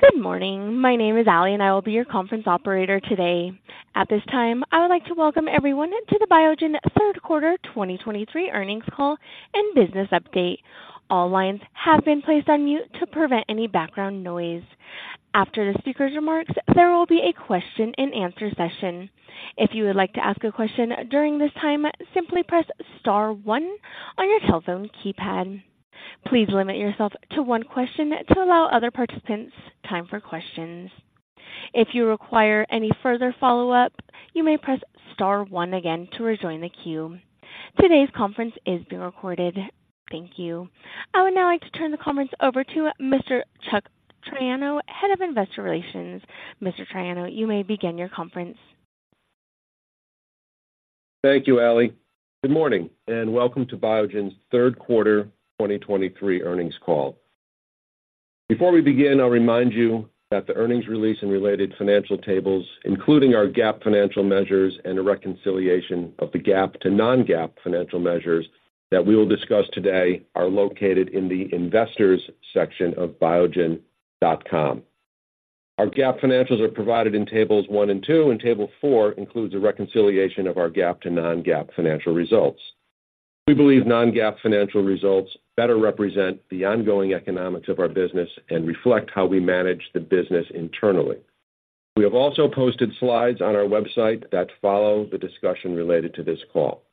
Good morning. My name is Allie, and I will be your conference operator today. At this time, I would like to welcome everyone to the Biogen Third Quarter 2023 Earnings Call and Business Update. All lines have been placed on mute to prevent any background noise. After the speaker's remarks, there will be a question-and-answer session. If you would like to ask a question during this time, simply press star one on your telephone keypad. Please limit yourself to one question to allow other participants time for questions. If you require any further follow-up, you may press star one again to rejoin the queue. Today's conference is being recorded. Thank you. I would now like to turn the conference over to Mr. Chuck Triano, Head of Investor Relations. Mr. Triano, you may begin your conference. Thank you, Allie. Good morning, and welcome to Biogen's third quarter 2023 earnings call. Before we begin, I'll remind you that the earnings release and related financial tables, including our GAAP financial measures and a reconciliation of the GAAP to non-GAAP financial measures that we will discuss today, are located in the Investors section of biogen.com. Our GAAP financials are provided in tables 1 and 2, and table 4 includes a reconciliation of our GAAP to non-GAAP financial results. We believe non-GAAP financial results better represent the ongoing economics of our business and reflect how we manage the business internally. We have also posted slides on our website that follow the discussion related to this call.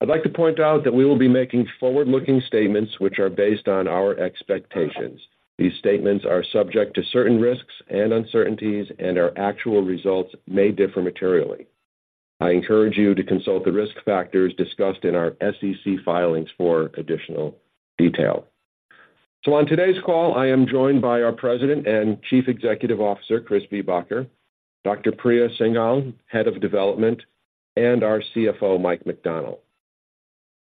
I'd like to point out that we will be making forward-looking statements which are based on our expectations. These statements are subject to certain risks and uncertainties, and our actual results may differ materially. I encourage you to consult the risk factors discussed in our SEC filings for additional detail. So on today's call, I am joined by our President and Chief Executive Officer, Chris Viehbacher; Dr. Priya Singhal, Head of Development; and our CFO, Mike McDonnell.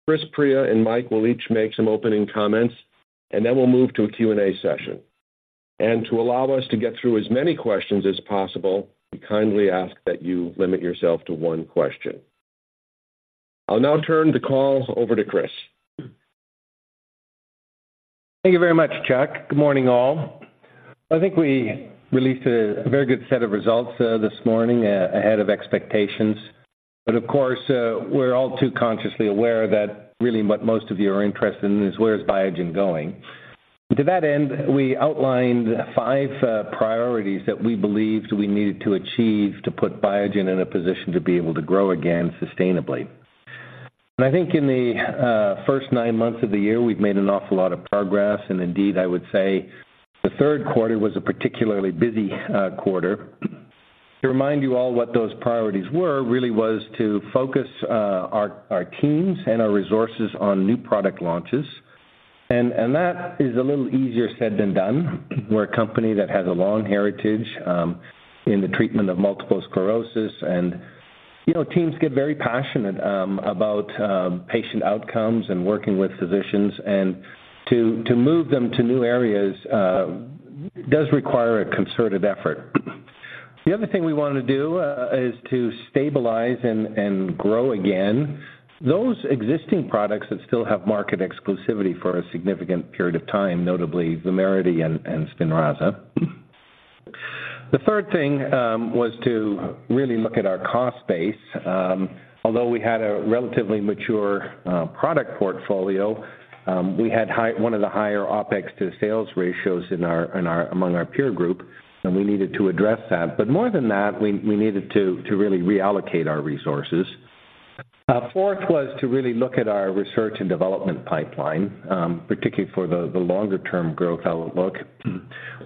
Chris, Priya, and Mike will each make some opening comments, and then we'll move to a Q&A session. To allow us to get through as many questions as possible, we kindly ask that you limit yourself to one question. I'll now turn the call over to Chris. Thank you very much, Chuck. Good morning, all. I think we released a very good set of results this morning ahead of expectations. But of course, we're all too consciously aware that really what most of you are interested in is where is Biogen going? To that end, we outlined five priorities that we believed we needed to achieve to put Biogen in a position to be able to grow again sustainably. And I think in the first nine months of the year, we've made an awful lot of progress, and indeed, I would say the third quarter was a particularly busy quarter. To remind you all what those priorities were, really was to focus our teams and our resources on new product launches. And that is a little easier said than done. We're a company that has a long heritage in the treatment of multiple sclerosis, and, you know, teams get very passionate about patient outcomes and working with physicians, and to move them to new areas does require a concerted effort. The other thing we want to do is to stabilize and grow again those existing products that still have market exclusivity for a significant period of time, notably VUMERITY and SPINRAZA. The third thing was to really look at our cost base. Although we had a relatively mature product portfolio, we had one of the higher OpEx to sales ratios among our peer group, and we needed to address that. But more than that, we needed to really reallocate our resources. Fourth was to really look at our research and development pipeline, particularly for the longer-term growth outlook.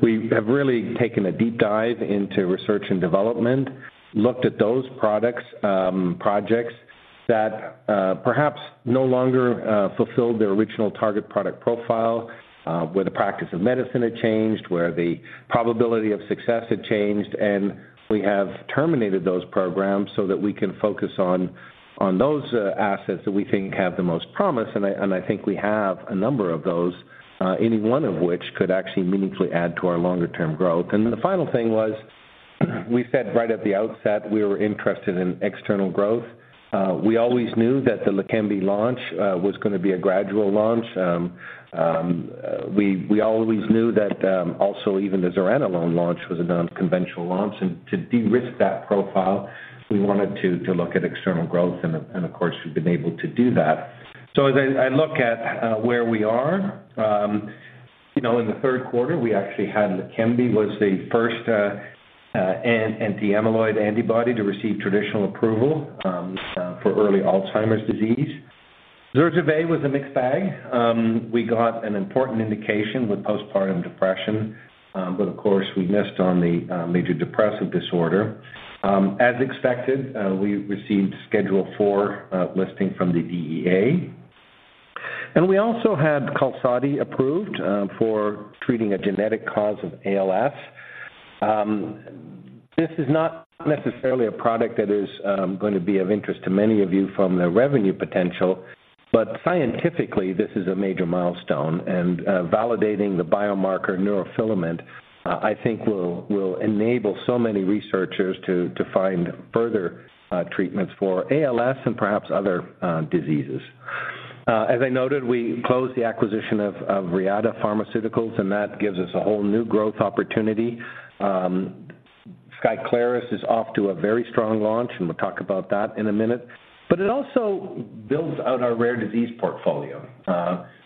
We have really taken a deep dive into research and development, looked at those products, projects that perhaps no longer fulfilled their original target product profile, where the practice of medicine had changed, where the probability of success had changed, and we have terminated those programs so that we can focus on those assets that we think have the most promise. And I think we have a number of those, any one of which could actually meaningfully add to our longer-term growth. And then the final thing was, we said right at the outset, we were interested in external growth. We always knew that the LEQEMBI launch was going to be a gradual launch. We always knew that also, even the zuranolone launch was a non-conventional launch, and to de-risk that profile, we wanted to look at external growth, and of course, we've been able to do that. So as I look at where we are, you know, in the third quarter, we actually had Leqembi was the first an anti-amyloid antibody to receive traditional approval for early Alzheimer's disease. Zurzuvae was a mixed bag. We got an important indication with postpartum depression, but of course, we missed on the major depressive disorder. As expected, we received Schedule IV listing from the DEA. And we also had Qalsody approved for treating a genetic cause of ALS. This is not necessarily a product that is going to be of interest to many of you from the revenue potential, but scientifically, this is a major milestone, and validating the biomarker neurofilament, I think will enable so many researchers to find further treatments for ALS and perhaps other diseases. As I noted, we closed the acquisition of Reata Pharmaceuticals, and that gives us a whole new growth opportunity. Skyclarys is off to a very strong launch, and we'll talk about that in a minute. But it also builds out our rare disease portfolio.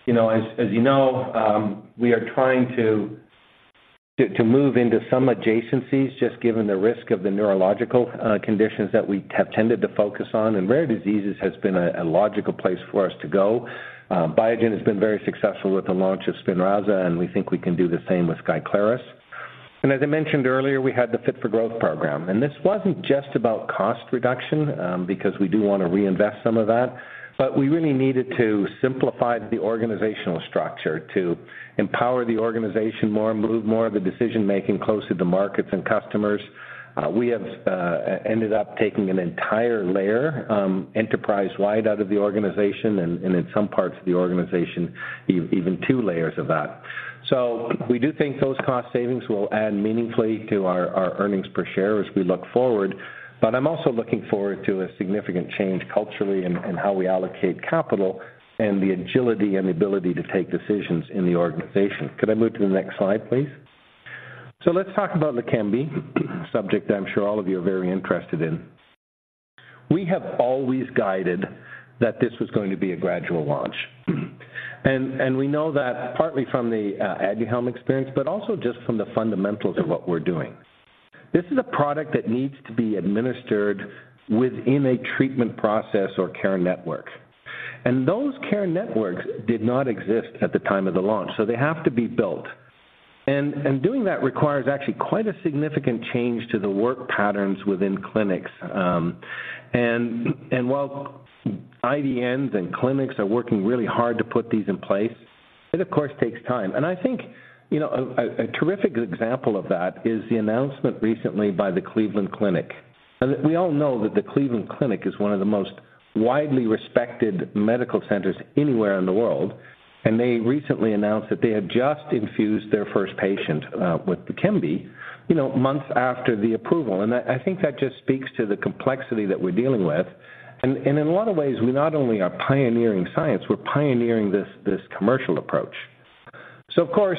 You know, as you know, we are trying to move into some adjacencies, just given the risk of the neurological conditions that we have tended to focus on, and rare diseases has been a logical place for us to go. Biogen has been very successful with the launch of Spinraza, and we think we can do the same with Skyclarys. And as I mentioned earlier, we had the Fit for Growth program, and this wasn't just about cost reduction, because we do want to reinvest some of that, but we really needed to simplify the organizational structure, to empower the organization more and move more of the decision-making closer to markets and customers. We have ended up taking an entire layer enterprise-wide out of the organization, and in some parts of the organization, even two layers of that. So we do think those cost savings will add meaningfully to our earnings per share as we look forward. But I'm also looking forward to a significant change culturally in how we allocate capital and the agility and the ability to take decisions in the organization. Could I move to the next slide, please? So let's talk about LEQEMBI, a subject I'm sure all of you are very interested in. We have always guided that this was going to be a gradual launch. And we know that partly from the Aduhelm experience, but also just from the fundamentals of what we're doing. This is a product that needs to be administered within a treatment process or care network, and those care networks did not exist at the time of the launch, so they have to be built. And doing that requires actually quite a significant change to the work patterns within clinics. And while IDNs and clinics are working really hard to put these in place, it, of course, takes time. And I think, you know, a terrific example of that is the announcement recently by the Cleveland Clinic. And we all know that the Cleveland Clinic is one of the most widely respected medical centers anywhere in the world, and they recently announced that they had just infused their first patient with Leqembi, you know, months after the approval. And I think that just speaks to the complexity that we're dealing with. In a lot of ways, we not only are pioneering science, we're pioneering this commercial approach. So of course,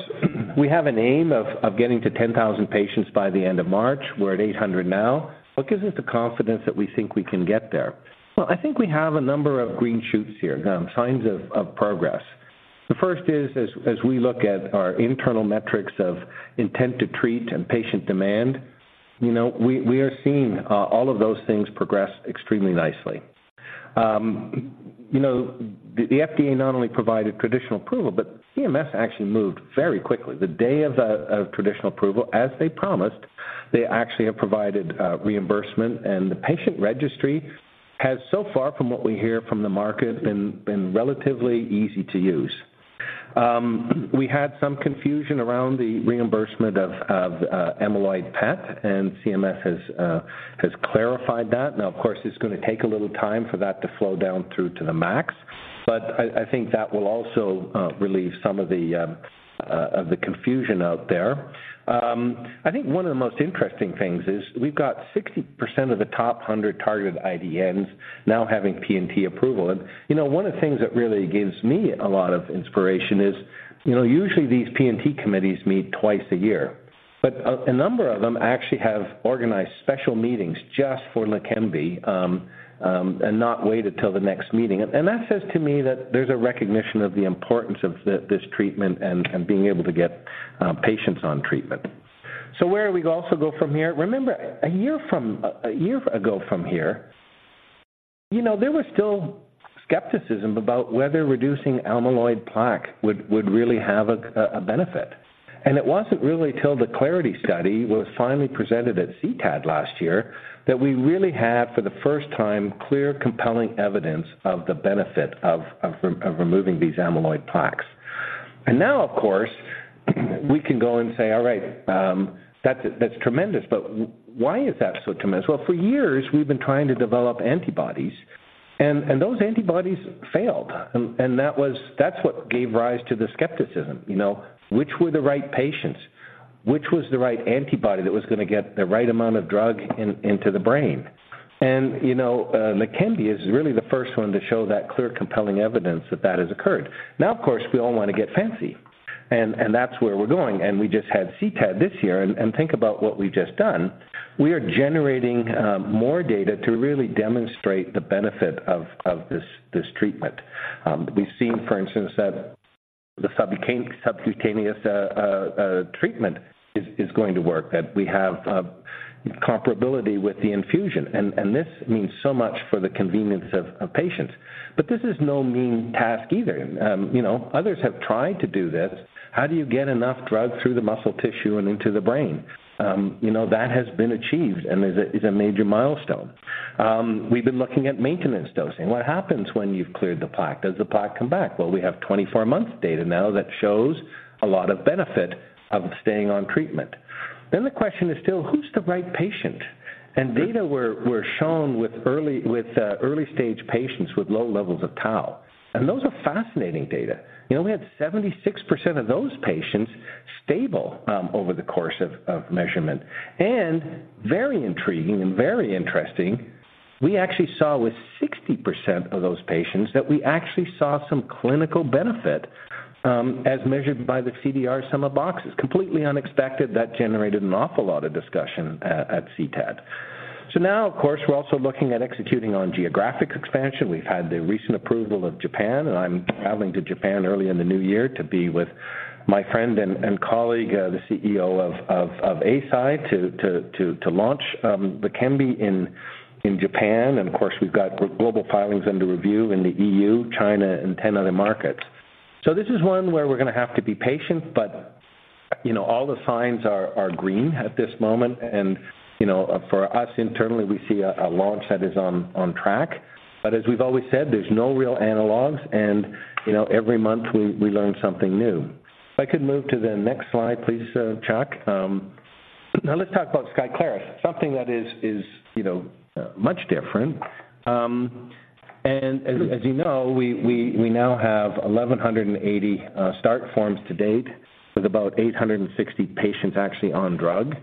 we have an aim of getting to 10,000 patients by the end of March. We're at 800 now. What gives us the confidence that we think we can get there? Well, I think we have a number of green shoots here, signs of progress. The first is, as we look at our internal metrics of intent to treat and patient demand, you know, we are seeing all of those things progress extremely nicely. You know, the FDA not only provided traditional approval, but CMS actually moved very quickly. The day of traditional approval, as they promised, they actually have provided reimbursement, and the patient registry has so far, from what we hear from the market, been relatively easy to use. We had some confusion around the reimbursement of amyloid PET, and CMS has clarified that. Now, of course, it's gonna take a little time for that to flow down through to the MACs, but I think that will also relieve some of the confusion out there. I think one of the most interesting things is we've got 60% of the top 100 targeted IDNs now having P&T approval. And, you know, one of the things that really gives me a lot of inspiration is, you know, usually these P&T committees meet twice a year, but a number of them actually have organized special meetings just for LEQEMBI, and not waited till the next meeting. And that says to me that there's a recognition of the importance of this treatment and being able to get patients on treatment. So where are we also go from here? Remember, a year from, a year ago from here, you know, there was still skepticism about whether reducing amyloid plaque would really have a benefit. And it wasn't really till the Clarity study was finally presented at CTAD last year, that we really had, for the first time, clear, compelling evidence of the benefit of removing these amyloid plaques. And now, of course, we can go and say: All right, that's, that's tremendous, but why is that so tremendous? Well, for years we've been trying to develop antibodies, and, and those antibodies failed. And, and that was, that's what gave rise to the skepticism. You know, which were the right patients? Which was the right antibody that was gonna get the right amount of drug in, into the brain? And, you know, LEQEMBI is really the first one to show that clear, compelling evidence that that has occurred. Now, of course, we all want to get fancy, and, and that's where we're going. And we just had CTAD this year, and, and think about what we've just done. We are generating more data to really demonstrate the benefit of, of this, this treatment. We've seen, for instance, that the subcutaneous treatment is going to work, that we have comparability with the infusion. And this means so much for the convenience of patients. But this is no mean task either. You know, others have tried to do this. How do you get enough drug through the muscle tissue and into the brain? You know, that has been achieved and is a major milestone. We've been looking at maintenance dosing. What happens when you've cleared the plaque? Does the plaque come back? Well, we have 24-month data now that shows a lot of benefit of staying on treatment. Then the question is still, who's the right patient? And data were shown with early-stage patients with low levels of tau, and those are fascinating data. You know, we had 76% of those patients stable over the course of measurement. And very intriguing and very interesting, we actually saw with 60% of those patients that we actually saw some clinical benefit as measured by the CDR sum of boxes. Completely unexpected. That generated an awful lot of discussion at CTAD. So now, of course, we're also looking at executing on geographic expansion. We've had the recent approval of Japan, and I'm traveling to Japan early in the new year to be with my friend and colleague, the CEO of Eisai, to launch the Leqembi in Japan. And of course, we've got global filings under review in the EU, China and 10 other markets. So this is one where we're going to have to be patient, but, you know, all the signs are green at this moment. And, you know, for us internally, we see a launch that is on track. But as we've always said, there's no real analogs and, you know, every month we learn something new. If I could move to the next slide, please, Chuck. Now let's talk about Skyclarys. Something that is, you know, much different. And as you know, we now have 1,180 start forms to date, with about 860 patients actually on drug.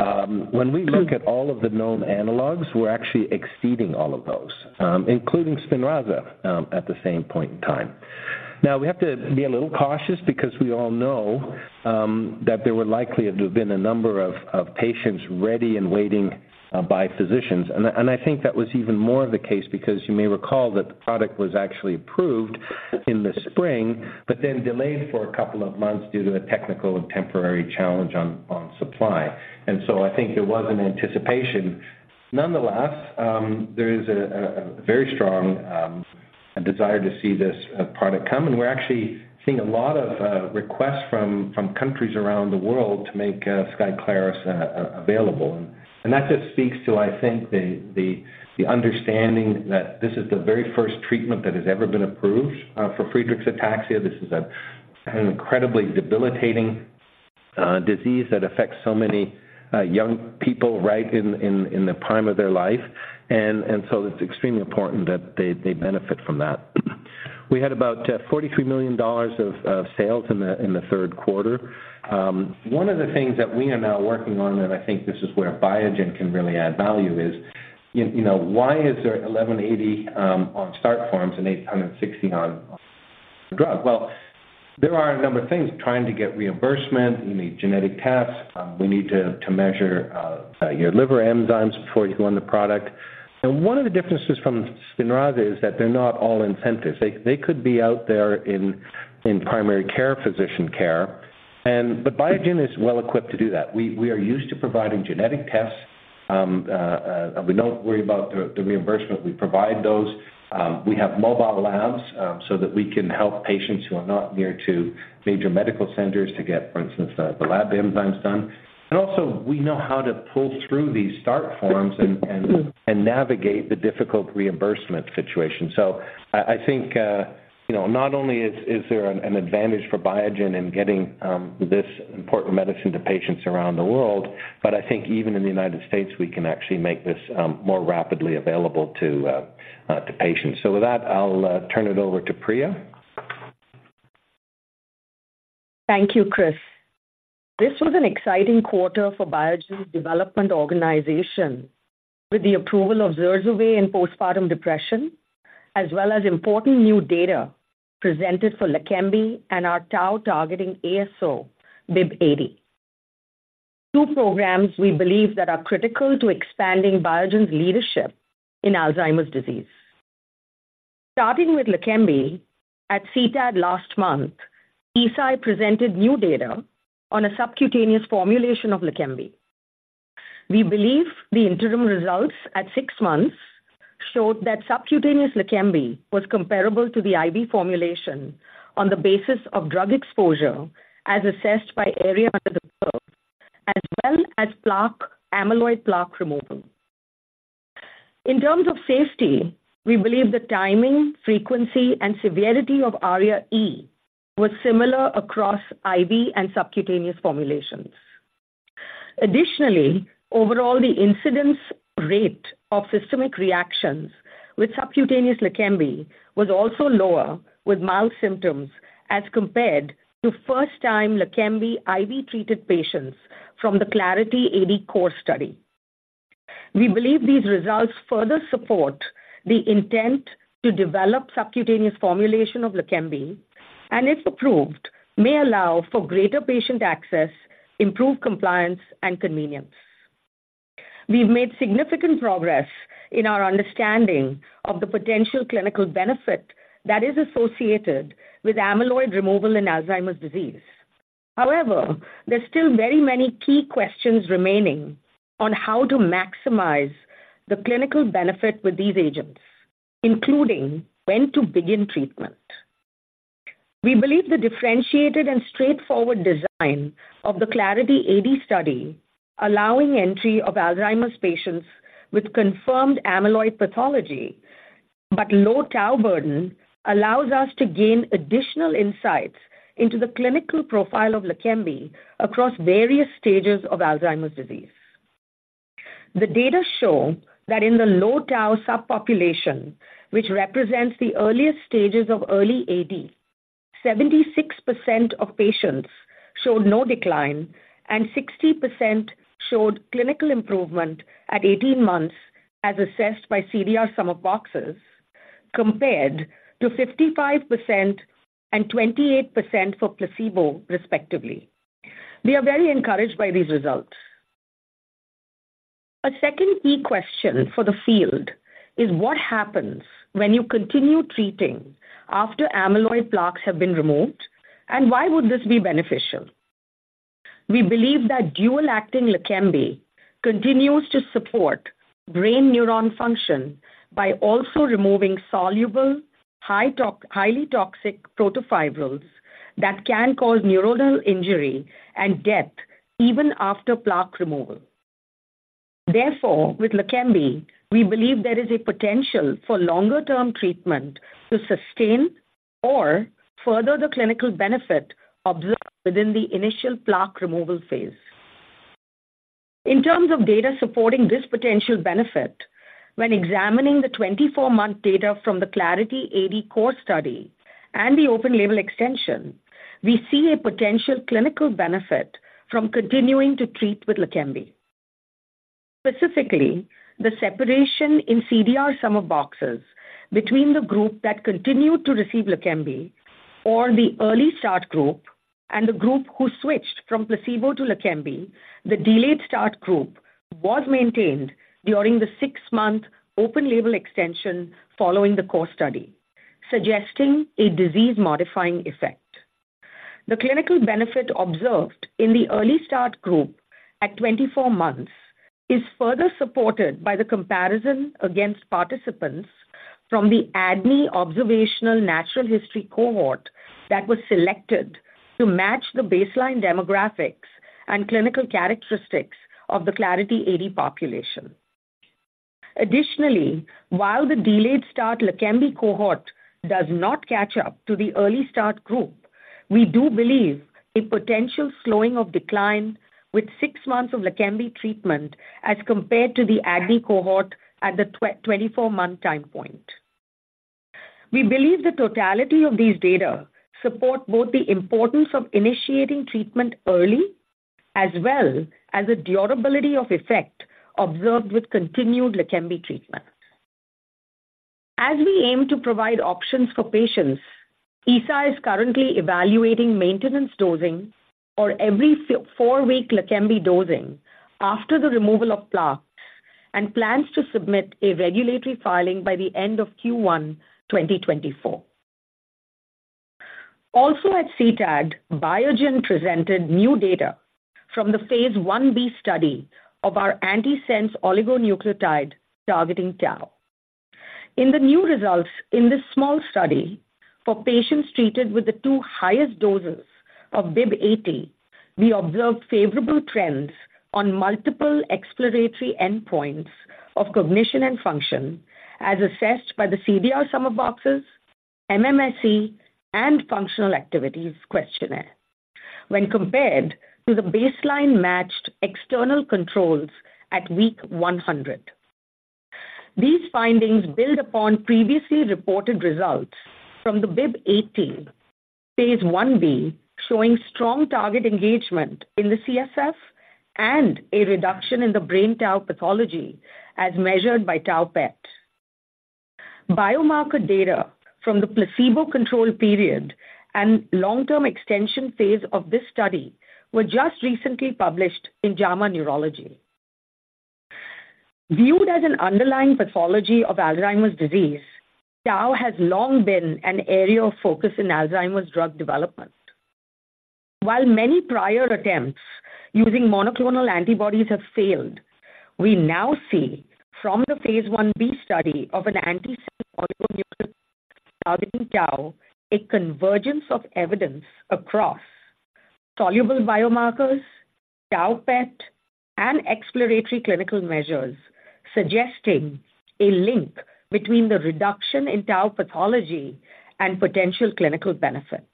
When we look at all of the known analogs, we're actually exceeding all of those, including Spinraza, at the same point in time. Now, we have to be a little cautious because we all know that there would likely have been a number of patients ready and waiting by physicians. And I think that was even more of the case because you may recall that the product was actually approved in the spring, but then delayed for a couple of months due to a technical and temporary challenge on supply. And so I think there was an anticipation. Nonetheless, there is a very strong desire to see this product come, and we're actually seeing a lot of requests from countries around the world to make Skyclarys available. And that just speaks to, I think, the understanding that this is the very first treatment that has ever been approved for Friedreich's ataxia. This is an incredibly debilitating disease that affects so many young people right in the prime of their life. And so it's extremely important that they benefit from that. We had about $43 million of sales in the third quarter. One of the things that we are now working on, and I think this is where Biogen can really add value, is, you know, why is there $1,180 on start forms and $860 on drug? Well, there are a number of things: trying to get reimbursement. We need genetic tests. We need to measure your liver enzymes before you go on the product. And one of the differences from Spinraza is that they're not all incentives. They could be out there in primary care, physician care. But Biogen is well equipped to do that. We are used to providing genetic tests. We don't worry about the reimbursement. We provide those. We have mobile labs, so that we can help patients who are not near to major medical centers to get, for instance, the lab enzymes done. And also, we know how to pull through these start forms and navigate the difficult reimbursement situation. So I think, you know, not only is there an advantage for Biogen in getting this important medicine to patients around the world, but I think even in the United States, we can actually make this more rapidly available to patients. So with that, I'll turn it over to Priya. Thank you, Chris. This was an exciting quarter for Biogen's development organization. With the approval of Zurzuvae in postpartum depression, as well as important new data presented for Leqembi and our tau targeting ASO, BIIB080. Two programs we believe that are critical to expanding Biogen's leadership in Alzheimer's disease. Starting with Leqembi, at CTAD last month, Eisai presented new data on a subcutaneous formulation of Leqembi. We believe the interim results at six months showed that subcutaneous Leqembi was comparable to the IV formulation on the basis of drug exposure, as assessed by area under the curve, as well as plaque, amyloid plaque removal. In terms of safety, we believe the timing, frequency, and severity of ARIA-E was similar across IV and subcutaneous formulations. Additionally, overall, the incidence rate of systemic reactions with subcutaneous LEQEMBI was also lower, with mild symptoms as compared to first-time LEQEMBI IV-treated patients from the Clarity AD core study. We believe these results further support the intent to develop subcutaneous formulation of LEQEMBI, and if approved, may allow for greater patient access, improved compliance, and convenience. We've made significant progress in our understanding of the potential clinical benefit that is associated with amyloid removal in Alzheimer's disease. However, there's still very many key questions remaining on how to maximize the clinical benefit with these agents, including when to begin treatment. We believe the differentiated and straightforward design of the Clarity AD study, allowing entry of Alzheimer's patients with confirmed amyloid pathology but low tau burden, allows us to gain additional insights into the clinical profile of LEQEMBI across various stages of Alzheimer's disease.... The data show that in the low tau subpopulation, which represents the earliest stages of early AD, 76% of patients showed no decline, and 60% showed clinical improvement at 18 months, as assessed by CDR sum of boxes, compared to 55% and 28% for placebo, respectively. We are very encouraged by these results. A second key question for the field is: what happens when you continue treating after amyloid plaques have been removed, and why would this be beneficial? We believe that dual-acting LEQEMBI continues to support brain neuron function by also removing soluble, highly toxic protofibrils that can cause neuronal injury and death even after plaque removal. Therefore, with LEQEMBI, we believe there is a potential for longer-term treatment to sustain or further the clinical benefit observed within the initial plaque removal phase. In terms of data supporting this potential benefit, when examining the 24-month data from the Clarity AD core study and the open-label extension, we see a potential clinical benefit from continuing to treat with LEQEMBI. Specifically, the separation in CDR sum of boxes between the group that continued to receive LEQEMBI, or the early start group, and the group who switched from placebo to LEQEMBI, the delayed start group, was maintained during the 6-month open-label extension following the core study, suggesting a disease-modifying effect. The clinical benefit observed in the early start group at 24 months is further supported by the comparison against participants from the ADNI observational natural history cohort that was selected to match the baseline demographics and clinical characteristics of the Clarity AD population. Additionally, while the delayed start Leqembi cohort does not catch up to the early start group, we do believe a potential slowing of decline with six months of Leqembi treatment as compared to the ADNI cohort at the 24-month time point. We believe the totality of these data support both the importance of initiating treatment early as well as the durability of effect observed with continued Leqembi treatment. As we aim to provide options for patients, Eisai is currently evaluating maintenance dosing or every four-week Leqembi dosing after the removal of plaques and plans to submit a regulatory filing by the end of Q1 2024. Also at CTAD, Biogen presented new data from the phase Ib study of our antisense oligonucleotide targeting tau. In the new results in this small study, for patients treated with the two highest doses of BIIB080, we observed favorable trends on multiple exploratory endpoints of cognition and function, as assessed by the CDR-SB, MMSE, and functional activities questionnaire when compared to the baseline-matched external controls at week 100. These findings build upon previously reported results from the BIIB080 phase Ib, showing strong target engagement in the CSF and a reduction in the brain tau pathology as measured by tau PET. Biomarker data from the placebo control period and long-term extension phase of this study were just recently published in JAMA Neurology. Viewed as an underlying pathology of Alzheimer's disease, tau has long been an area of focus in Alzheimer's drug development. While many prior attempts using monoclonal antibodies have failed, we now see from the phase Ib study of an antisense oligonucleotide targeting tau, a convergence of evidence across soluble biomarkers, tau PET, and exploratory clinical measures, suggesting a link between the reduction in tau pathology and potential clinical benefit.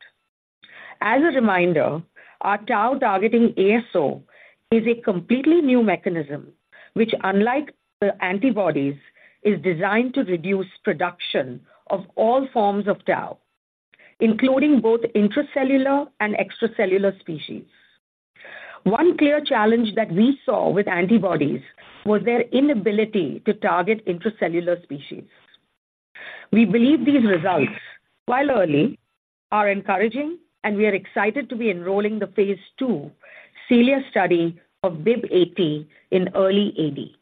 As a reminder, our tau targeting ASO is a completely new mechanism, which, unlike the antibodies, is designed to reduce production of all forms of tau, including both intracellular and extracellular species. One clear challenge that we saw with antibodies was their inability to target intracellular species. We believe these results, while early, are encouraging, and we are excited to be enrolling the phase II CELIA study of BIIB080 in early AD.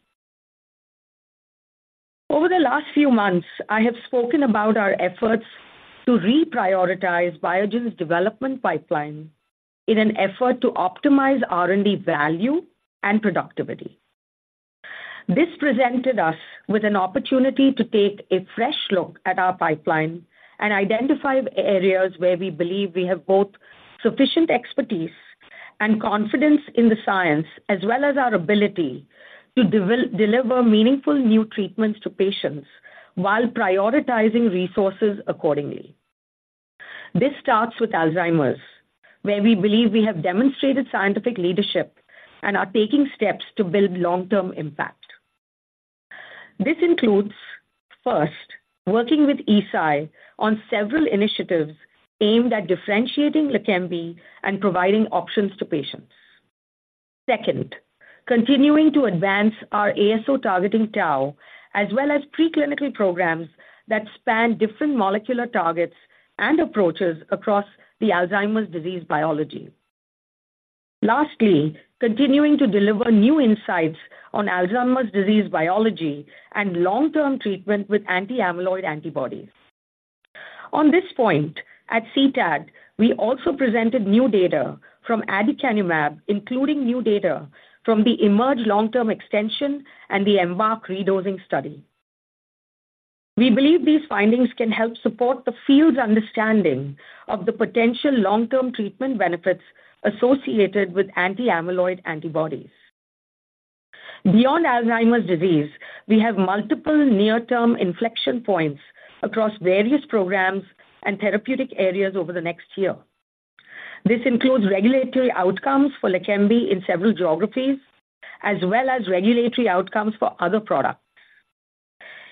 Over the last few months, I have spoken about our efforts to reprioritize Biogen's development pipeline in an effort to optimize R&D value and productivity. This presented us with an opportunity to take a fresh look at our pipeline and identify areas where we believe we have both sufficient expertise and confidence in the science, as well as our ability to deliver meaningful new treatments to patients while prioritizing resources accordingly... This starts with Alzheimer's, where we believe we have demonstrated scientific leadership and are taking steps to build long-term impact. This includes, first, working with Eisai on several initiatives aimed at differentiating Leqembi and providing options to patients. Second, continuing to advance our ASO-targeting tau, as well as preclinical programs that span different molecular targets and approaches across the Alzheimer's disease biology. Lastly, continuing to deliver new insights on Alzheimer's disease biology and long-term treatment with anti-amyloid antibodies. On this point, at CTAD, we also presented new data from aducanumab, including new data from the EMERGE long-term extension and the EMBARK redosing study. We believe these findings can help support the field's understanding of the potential long-term treatment benefits associated with anti-amyloid antibodies. Beyond Alzheimer's disease, we have multiple near-term inflection points across various programs and therapeutic areas over the next year. This includes regulatory outcomes for LEQEMBI in several geographies, as well as regulatory outcomes for other products.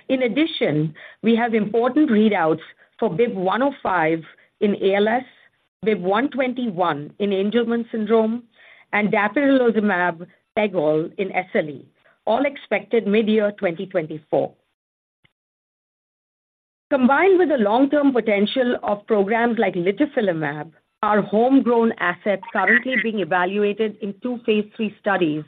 In addition, we have important readouts for BIIB105 in ALS, BIIB121 in Angelman syndrome, and dapirolizumab pegol in SLE, all expected midyear 2024. Combined with the long-term potential of programs like litifilimab, our homegrown asset currently being evaluated in two phase III studies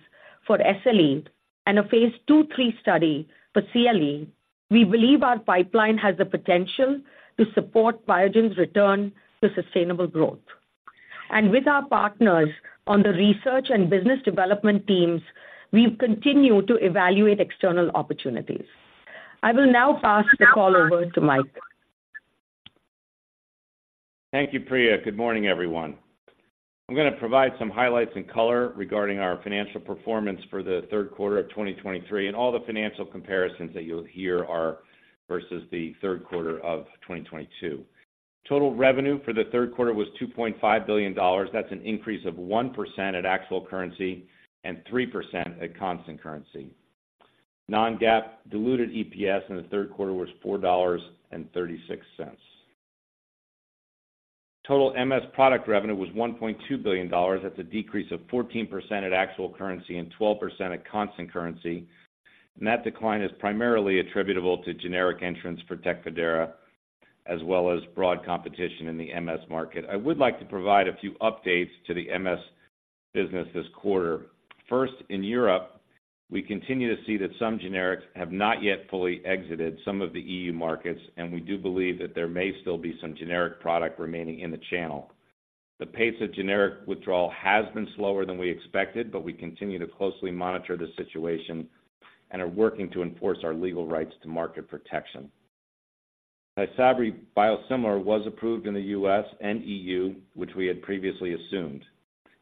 for SLE and a phase II-III study for CLE, we believe our pipeline has the potential to support Biogen's return to sustainable growth. And with our partners on the research and business development teams, we've continued to evaluate external opportunities. I will now pass the call over to Mike. Thank you, Priya. Good morning, everyone. I'm going to provide some highlights and color regarding our financial performance for the third quarter of 2023, and all the financial comparisons that you'll hear are versus the third quarter of 2022. Total revenue for the third quarter was $2.5 billion. That's an increase of 1% at actual currency and 3% at constant currency. Non-GAAP diluted EPS in the third quarter was $4.36. Total MS product revenue was $1 billion. That's a decrease of 14% at actual currency and 12% at constant currency. And that decline is primarily attributable to generic entrants for Tecfidera, as well as broad competition in the MS market. I would like to provide a few updates to the MS business this quarter. First, in Europe, we continue to see that some generics have not yet fully exited some of the EU markets, and we do believe that there may still be some generic product remaining in the channel. The pace of generic withdrawal has been slower than we expected, but we continue to closely monitor the situation and are working to enforce our legal rights to market protection. TYSABRI biosimilar was approved in the U.S. and EU, which we had previously assumed.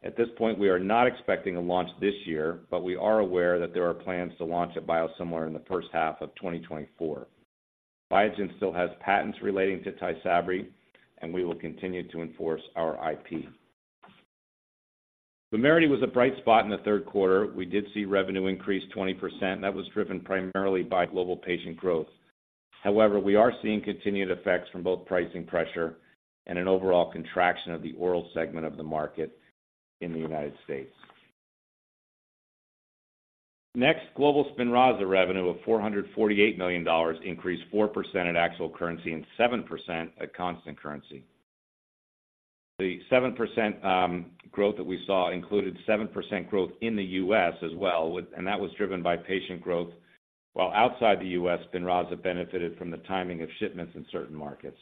At this point, we are not expecting a launch this year, but we are aware that there are plans to launch a biosimilar in the first half of 2024. Biogen still has patents relating to TYSABRI, and we will continue to enforce our IP. VUMERITY was a bright spot in the third quarter. We did see revenue increase 20%. That was driven primarily by global patient growth. However, we are seeing continued effects from both pricing pressure and an overall contraction of the oral segment of the market in the United States. Next, global Spinraza revenue of $448 million increased 4% at actual currency and 7% at constant currency. The 7% growth that we saw included 7% growth in the US as well, and that was driven by patient growth, while outside the US, Spinraza benefited from the timing of shipments in certain markets.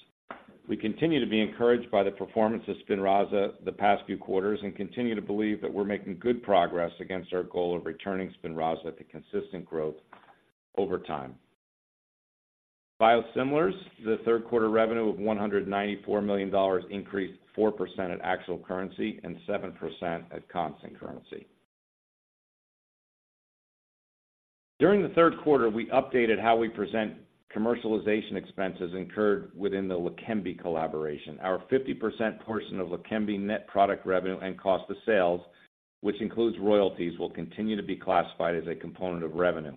We continue to be encouraged by the performance of Spinraza the past few quarters and continue to believe that we're making good progress against our goal of returning Spinraza to consistent growth over time. Biosimilars, the third quarter revenue of $194 million increased 4% at actual currency and 7% at constant currency. During the third quarter, we updated how we present commercialization expenses incurred within the LEQEMBI collaboration. Our 50% portion of LEQEMBI net product revenue and cost of sales, which includes royalties, will continue to be classified as a component of revenue.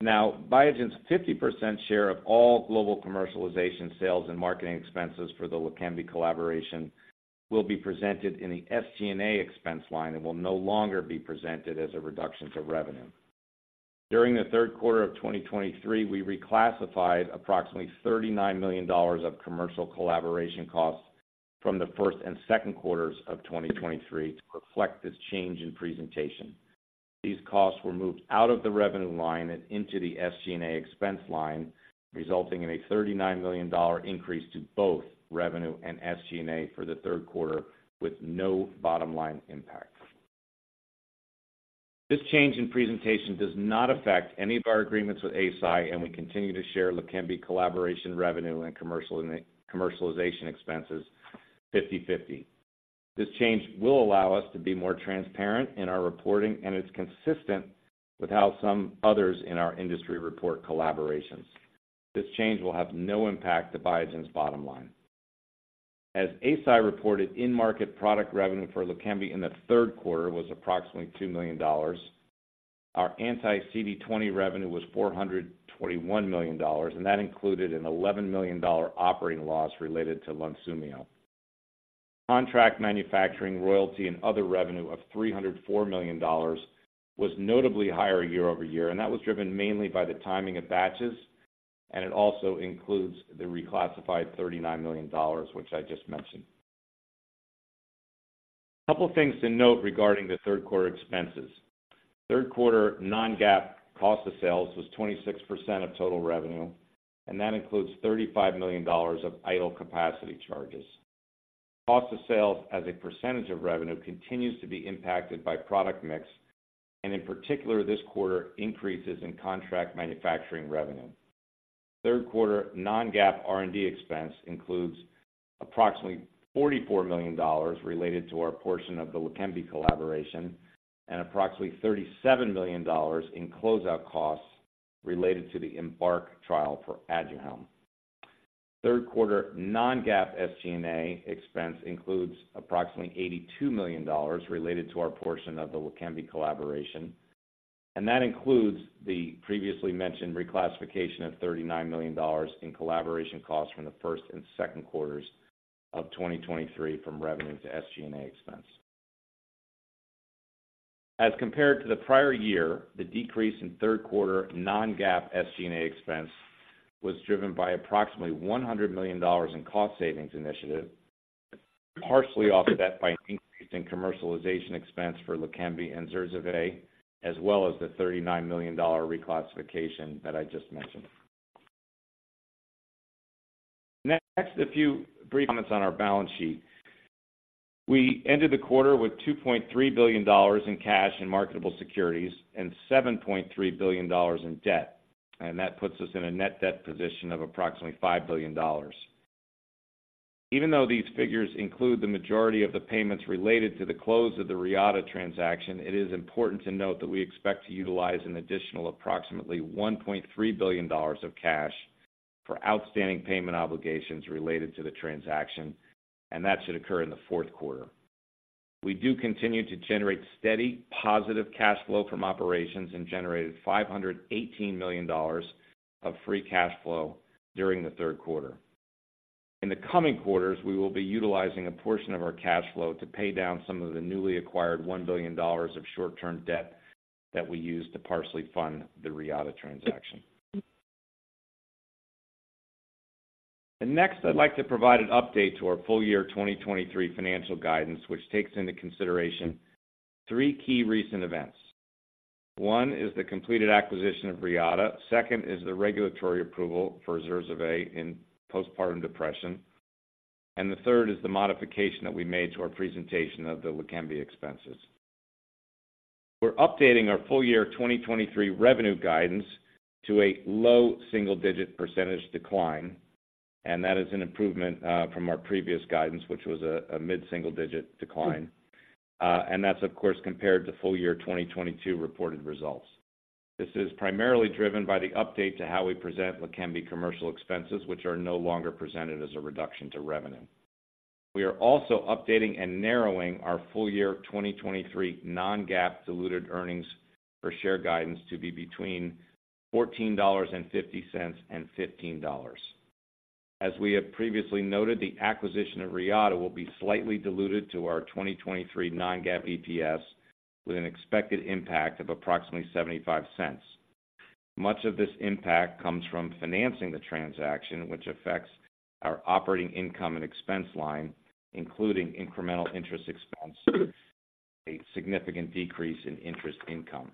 Now, Biogen's 50% share of all global commercialization, sales, and marketing expenses for the LEQEMBI collaboration will be presented in the SG&A expense line and will no longer be presented as a reduction to revenue. During the third quarter of 2023, we reclassified approximately $39 million of commercial collaboration costs from the first and second quarters of 2023 to reflect this change in presentation. These costs were moved out of the revenue line and into the SG&A expense line, resulting in a $39 million increase to both revenue and SG&A for the third quarter, with no bottom line impact. This change in presentation does not affect any of our agreements with Eisai, and we continue to share LEQEMBI collaboration revenue and commercialization expenses 50/50. This change will allow us to be more transparent in our reporting, and it's consistent with how some others in our industry report collaborations. This change will have no impact to Biogen's bottom line. As Eisai reported, in-market product revenue for LEQEMBI in the third quarter was approximately $2 million. Our anti-CD20 revenue was $421 million, and that included an $11 million operating loss related to Lunsumio. Contract manufacturing, royalty, and other revenue of $304 million was notably higher year-over-year, and that was driven mainly by the timing of batches, and it also includes the reclassified $39 million, which I just mentioned. A couple of things to note regarding the third quarter expenses. Third quarter non-GAAP cost of sales was 26% of total revenue, and that includes $35 million of idle capacity charges. Cost of sales as a percentage of revenue continues to be impacted by product mix, and in particular, this quarter, increases in contract manufacturing revenue. Third quarter non-GAAP R&D expense includes approximately $44 million related to our portion of the Leqembi collaboration and approximately $37 million in closeout costs related to the EMBARK trial for Aduhelm. Third quarter non-GAAP SG&A expense includes approximately $82 million related to our portion of the Leqembi collaboration, and that includes the previously mentioned reclassification of $39 million in collaboration costs from the first and second quarters of 2023 from revenue to SG&A expense. As compared to the prior year, the decrease in third quarter non-GAAP SG&A expense was driven by approximately $100 million in cost savings initiative, partially offset by an increase in commercialization expense for Leqembi and Zurzuvae, as well as the $39 million dollar reclassification that I just mentioned. Next, a few brief comments on our balance sheet. We ended the quarter with $2.3 billion in cash and marketable securities and $7.3 billion in debt, and that puts us in a net debt position of approximately $5 billion. Even though these figures include the majority of the payments related to the close of the Reata transaction, it is important to note that we expect to utilize an additional approximately $1.3 billion of cash for outstanding payment obligations related to the transaction, and that should occur in the fourth quarter. We do continue to generate steady, positive cash flow from operations and generated $518 million of free cash flow during the third quarter. In the coming quarters, we will be utilizing a portion of our cash flow to pay down some of the newly acquired $1 billion of short-term debt that we used to partially fund the Reata transaction. Next, I'd like to provide an update to our full-year 2023 financial guidance, which takes into consideration three key recent events. One is the completed acquisition of Reata, second is the regulatory approval for Zurzuvae in postpartum depression, and the third is the modification that we made to our presentation of the Leqembi expenses. We're updating our full year 2023 revenue guidance to a low single-digit % decline, and that is an improvement from our previous guidance, which was a mid-single-digit % decline. That's of course compared to full year 2022 reported results. This is primarily driven by the update to how we present Leqembi commercial expenses, which are no longer presented as a reduction to revenue. We are also updating and narrowing our full year 2023 non-GAAP diluted earnings per share guidance to be between $14.50 and $15. As we have previously noted, the acquisition of Reata will be slightly diluted to our 2023 non-GAAP EPS, with an expected impact of approximately $0.75. Much of this impact comes from financing the transaction, which affects our operating income and expense line, including incremental interest expense, a significant decrease in interest income.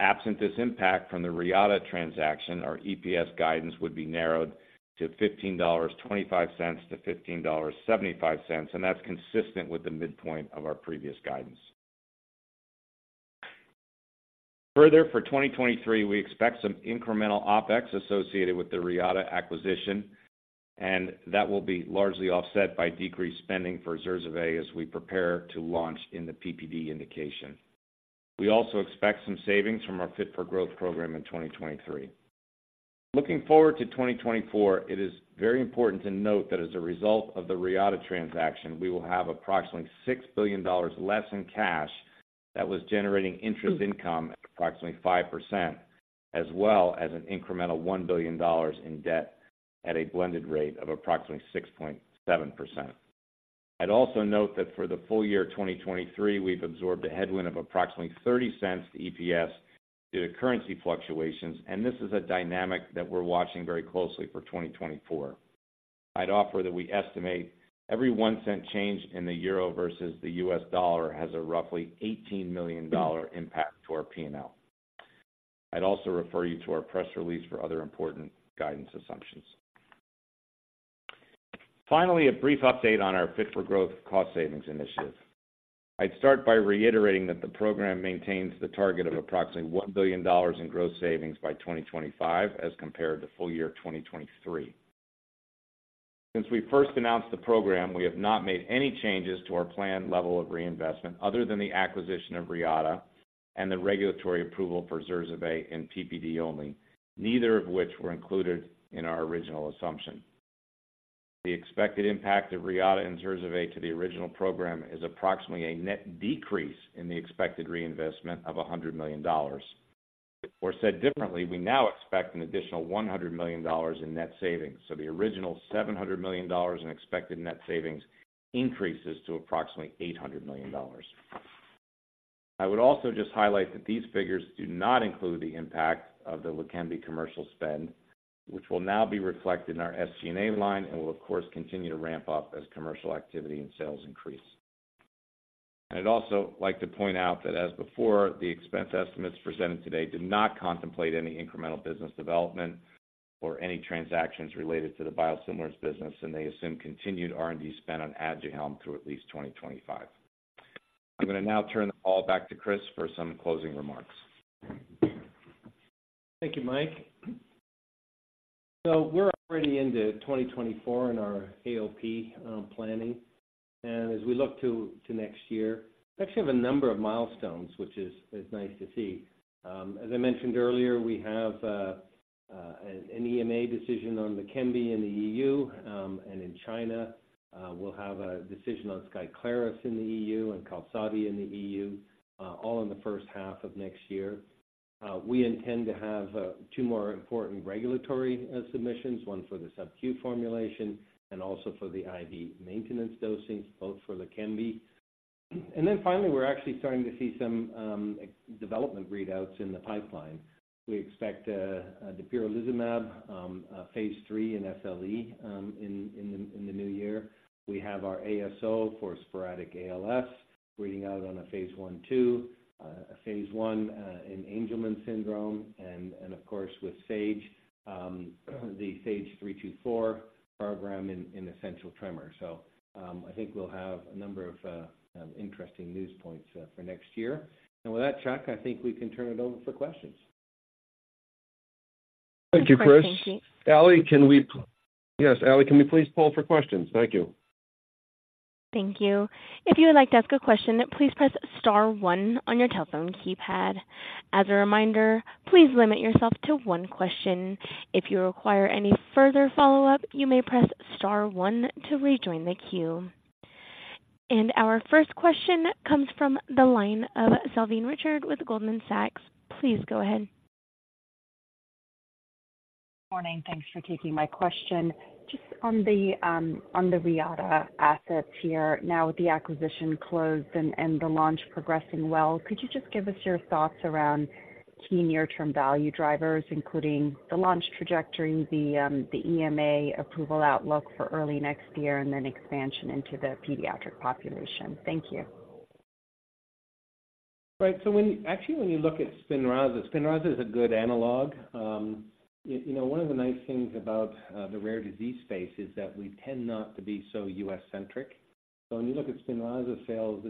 Absent this impact from the Reata transaction, our EPS guidance would be narrowed to $15.25-$15.75, and that's consistent with the midpoint of our previous guidance. Further, for 2023, we expect some incremental OpEx associated with the Reata acquisition, and that will be largely offset by decreased spending for ZURZUVAE as we prepare to launch in the PPD indication. We also expect some savings from our Fit for Growth program in 2023. Looking forward to 2024, it is very important to note that as a result of the Reata transaction, we will have approximately $6 billion less in cash that was generating interest income at approximately 5%, as well as an incremental $1 billion in debt at a blended rate of approximately 6.7%. I'd also note that for the full year of 2023, we've absorbed a headwind of approximately $0.30 to EPS due to currency fluctuations, and this is a dynamic that we're watching very closely for 2024. I'd offer that we estimate every $0.01 change in the euro versus the US dollar has a roughly $18 million impact to our P&L. I'd also refer you to our press release for other important guidance assumptions. Finally, a brief update on our Fit for Growth cost savings initiative. I'd start by reiterating that the program maintains the target of approximately $1 billion in gross savings by 2025, as compared to full year 2023. Since we first announced the program, we have not made any changes to our planned level of reinvestment, other than the acquisition of Reata and the regulatory approval for ZURZUVAE and PPD only, neither of which were included in our original assumption. The expected impact of Reata and ZURZUVAE to the original program is approximately a net decrease in the expected reinvestment of $100 million. Or said differently, we now expect an additional $100 million in net savings, so the original $700 million in expected net savings increases to approximately $800 million. I would also just highlight that these figures do not include the impact of the Leqembi commercial spend, which will now be reflected in our SG&A line and will, of course, continue to ramp up as commercial activity and sales increase. And I'd also like to point out that, as before, the expense estimates presented today did not contemplate any incremental business development or any transactions related to the biosimilars business, and they assume continued R&D spend on Aduhelm through at least 2025. I'm going to now turn the call back to Chris for some closing remarks. Thank you, Mike. So we're already into 2024 in our AOP planning. And as we look to next year, we actually have a number of milestones, which is nice to see. As I mentioned earlier, we have an EMA decision on Leqembi in the EU, and in China, we'll have a decision on Skyclarys in the EU and Qalsody in the EU, all in the first half of next year. We intend to have two more important regulatory submissions, one for the subQ formulation and also for the IV maintenance dosing, both for Leqembi. And then finally, we're actually starting to see some development readouts in the pipeline. We expect dapirolizumab pegol, a phase III in SLE, in the new year. We have our ASO for sporadic ALS reading out on a phase I/2, a phase I in Angelman syndrome, and of course, with Sage, the SAGE-324 program in essential tremor. So, I think we'll have a number of interesting news points for next year. And with that, Chuck, I think we can turn it over for questions. Thank you, Chris. Allie, can we please poll for questions? Thank you. Thank you. If you would like to ask a question, please press star one on your telephone keypad. As a reminder, please limit yourself to one question. If you require any further follow-up, you may press star one to rejoin the queue. Our first question comes from the line of Salveen Richter with Goldman Sachs. Please go ahead. Morning. Thanks for taking my question. Just on the Reata assets here. Now with the acquisition closed and the launch progressing well, could you just give us your thoughts around key near-term value drivers, including the launch trajectory, the EMA approval outlook for early next year, and then expansion into the pediatric population? Thank you. Right. So actually, when you look at SPINRAZA, SPINRAZA is a good analog. You know, one of the nice things about the rare disease space is that we tend not to be so U.S.-centric. So when you look at SPINRAZA sales,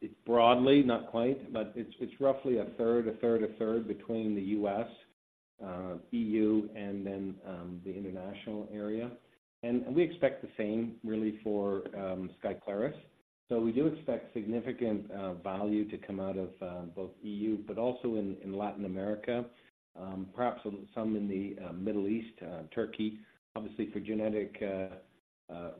it's broadly, not quite, but it's roughly a third, a third, a third between the U.S., EU and then the international area. And we expect the same, really, for SKYCLARYS. So we do expect significant value to come out of both EU, but also in Latin America, perhaps some in the Middle East, Turkey. Obviously, for genetic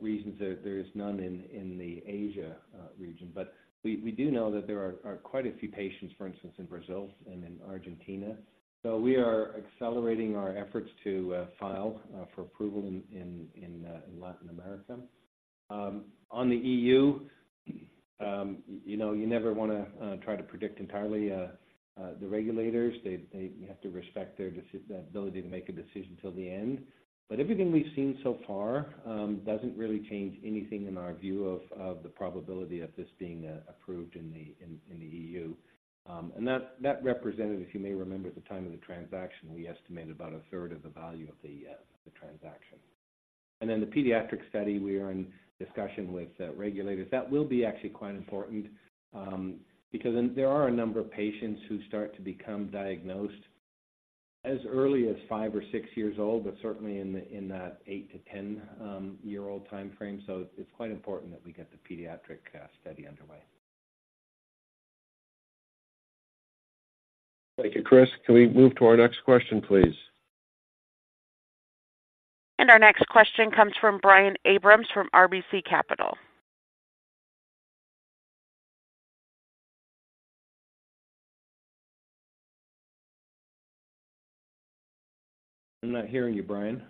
reasons, there is none in the Asia region. But we do know that there are quite a few patients, for instance, in Brazil and in Argentina. So we are accelerating our efforts to file for approval in Latin America. On the EU, you know, you never wanna try to predict entirely the regulators. They, you have to respect their decision their ability to make a decision till the end. But everything we've seen so far doesn't really change anything in our view of the probability of this being approved in the EU. And that representative, if you may remember at the time of the transaction, we estimated about a third of the value of the transaction. And then the pediatric study, we are in discussion with regulators. That will be actually quite important, because then there are a number of patients who start to become diagnosed as early as five or six years old, but certainly in that eight-10 year old timeframe. So it's quite important that we get the pediatric study underway. Thank you, Chris. Can we move to our next question, please? Our next question comes from Brian Abrams from RBC Capital. I'm not hearing you, Brian.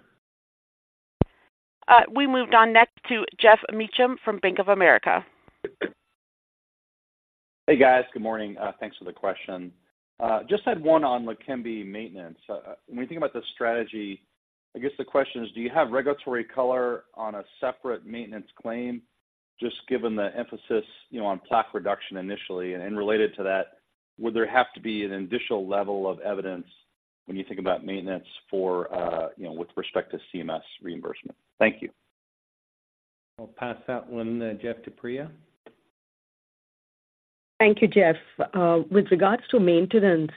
We moved on next to Geoff Meacham from Bank of America. Hey, guys. Good morning. Thanks for the question. Just had one on Leqembi maintenance. When we think about the strategy, I guess the question is: Do you have regulatory color on a separate maintenance claim, just given the emphasis, you know, on plaque reduction initially? And then related to that, would there have to be an additional level of evidence? When you think about maintenance for, you know, with respect to CMS reimbursement. Thank you. I'll pass that one, Geoff, to Priya. Thank you, Geoff. With regards to maintenance,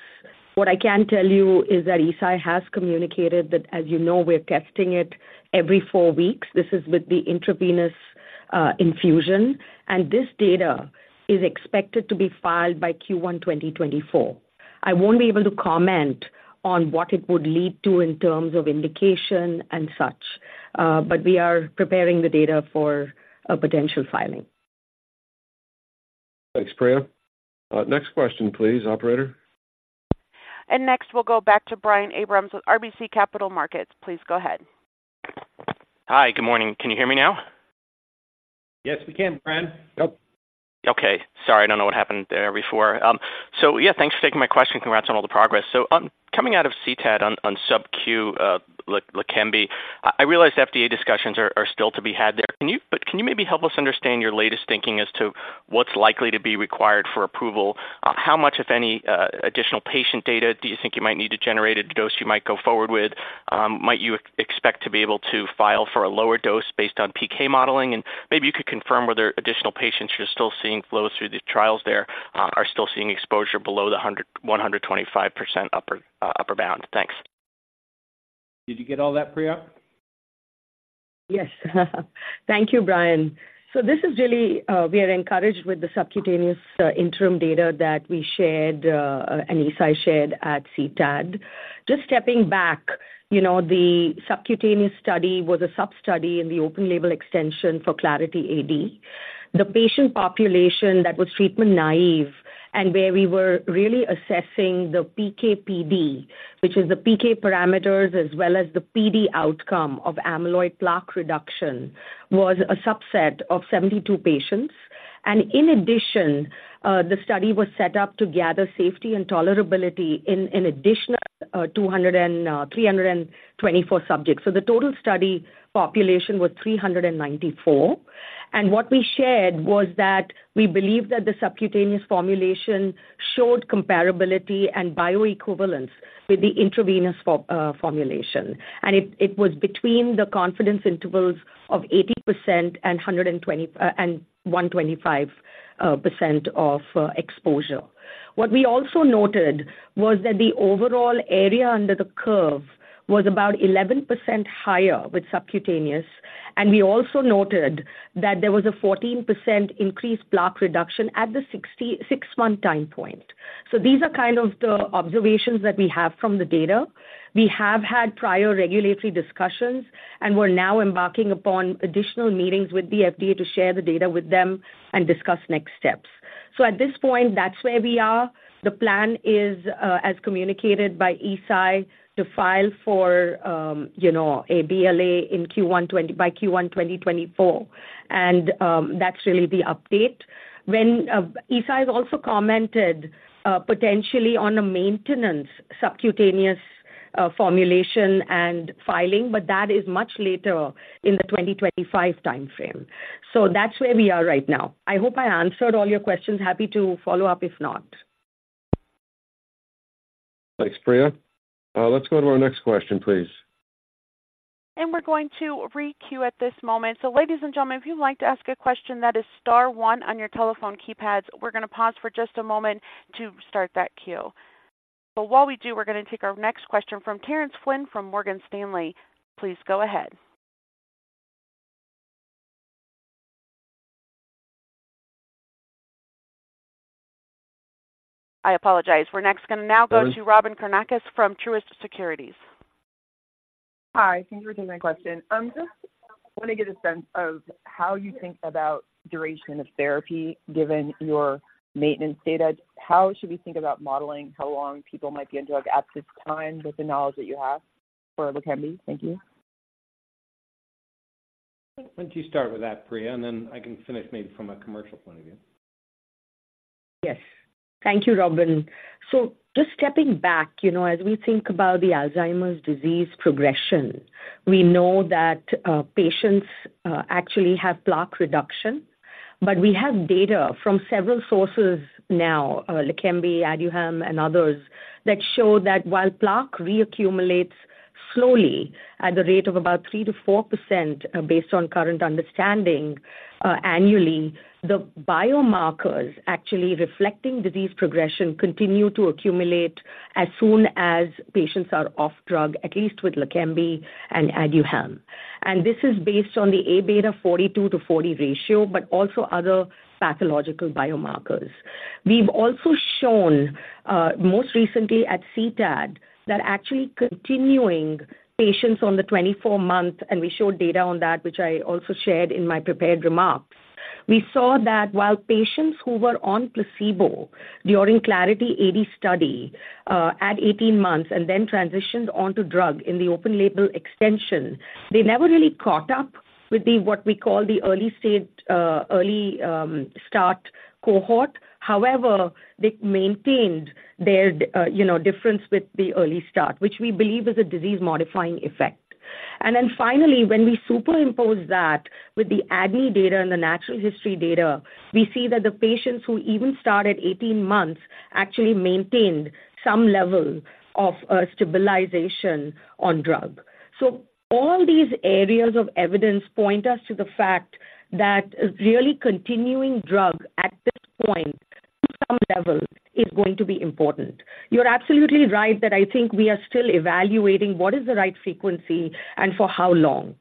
what I can tell you is that Eisai has communicated that, as you know, we're testing it every four weeks. This is with the intravenous infusion, and this data is expected to be filed by Q1 2024. I won't be able to comment on what it would lead to in terms of indication and such, but we are preparing the data for a potential filing. Thanks, Priya. Next question, please, operator. Next, we'll go back to Brian Abrams with RBC Capital Markets. Please go ahead. Hi, good morning. Can you hear me now? Yes, we can, Brian. Yep. Okay, sorry. I don't know what happened there before. So, yeah, thanks for taking my question. Congrats on all the progress. So, coming out of CTAD on SubQ Leqembi, I realize FDA discussions are still to be had there. Can you, but can you maybe help us understand your latest thinking as to what's likely to be required for approval? How much, if any, additional patient data do you think you might need to generate a dose you might go forward with? Might you expect to be able to file for a lower dose based on PK modeling? And maybe you could confirm whether additional patients you're still seeing flow through the trials there are still seeing exposure below the 100, 125% upper bound. Thanks. Did you get all that, Priya? Yes. Thank you, Brian. So this is really, we are encouraged with the subcutaneous interim data that we shared, and Eisai shared at CTAD. Just stepping back, you know, the subcutaneous study was a sub-study in the open-label extension for Clarity AD. The patient population that was treatment naive and where we were really assessing the PK/PD, which is the PK parameters, as well as the PD outcome of amyloid plaque reduction, was a subset of 72 patients. And in addition, the study was set up to gather safety and tolerability in an additional 200-324 subjects. So the total study population was 394, and what we shared was that we believe that the subcutaneous formulation showed comparability and bioequivalence with the intravenous formulation. It was between the confidence intervals of 80% and 120 and 125% of exposure. What we also noted was that the overall area under the curve was about 11% higher with subcutaneous, and we also noted that there was a 14% increased plaque reduction at the 66-month time point. So these are kind of the observations that we have from the data. We have had prior regulatory discussions, and we're now embarking upon additional meetings with the FDA to share the data with them and discuss next steps. So at this point, that's where we are. The plan is, as communicated by Eisai, to file for, you know, a BLA in Q1 2024, and that's really the update. When Eisai has also commented potentially on a maintenance subcutaneous formulation and filing, but that is much later in the 2025 timeframe. So that's where we are right now. I hope I answered all your questions. Happy to follow up, if not. Thanks, Priya. Let's go to our next question, please. We're going to requeue at this moment. So ladies and gentlemen, if you'd like to ask a question, that is star one on your telephone keypads. We're gonna pause for just a moment to start that queue. But while we do, we're gonna take our next question from Terence Flynn from Morgan Stanley. Please go ahead. I apologize. We're next gonna now go to- Go ahead. Robyn Karnauskas from Truist Securities. Hi, thank you for taking my question. Just want to get a sense of how you think about duration of therapy, given your maintenance data. How should we think about modeling, how long people might be on drug at this time with the knowledge that you have for LEQEMBI? Thank you. Why don't you start with that, Priya, and then I can finish maybe from a commercial point of view. Yes. Thank you, Robin. So just stepping back, you know, as we think about the Alzheimer's disease progression, we know that patients actually have plaque reduction, but we have data from several sources now, LEQEMBI, Aduhelm, and others, that show that while plaque reaccumulates slowly at the rate of about 3%-4%, based on current understanding, annually, the biomarkers actually reflecting disease progression continue to accumulate as soon as patients are off drug, at least with LEQEMBI and Aduhelm. And this is based on the Aβ 42/40 ratio, but also other pathological biomarkers. We've also shown, most recently at CTAD, that actually continuing patients on the 24-month, and we showed data on that, which I also shared in my prepared remarks. We saw that while patients who were on placebo during Clarity AD study at 18 months and then transitioned on to drug in the open label extension, they never really caught up with the, what we call the early stage, early start cohort. However, they maintained their, you know, difference with the early start, which we believe is a disease-modifying effect.... And then finally, when we superimpose that with the ADNI data and the natural history data, we see that the patients who even started 18 months actually maintained some level of stabilization on drug. So all these areas of evidence point us to the fact that really continuing drug at this point, to some level, is going to be important. You're absolutely right that I think we are still evaluating what is the right frequency and for how long.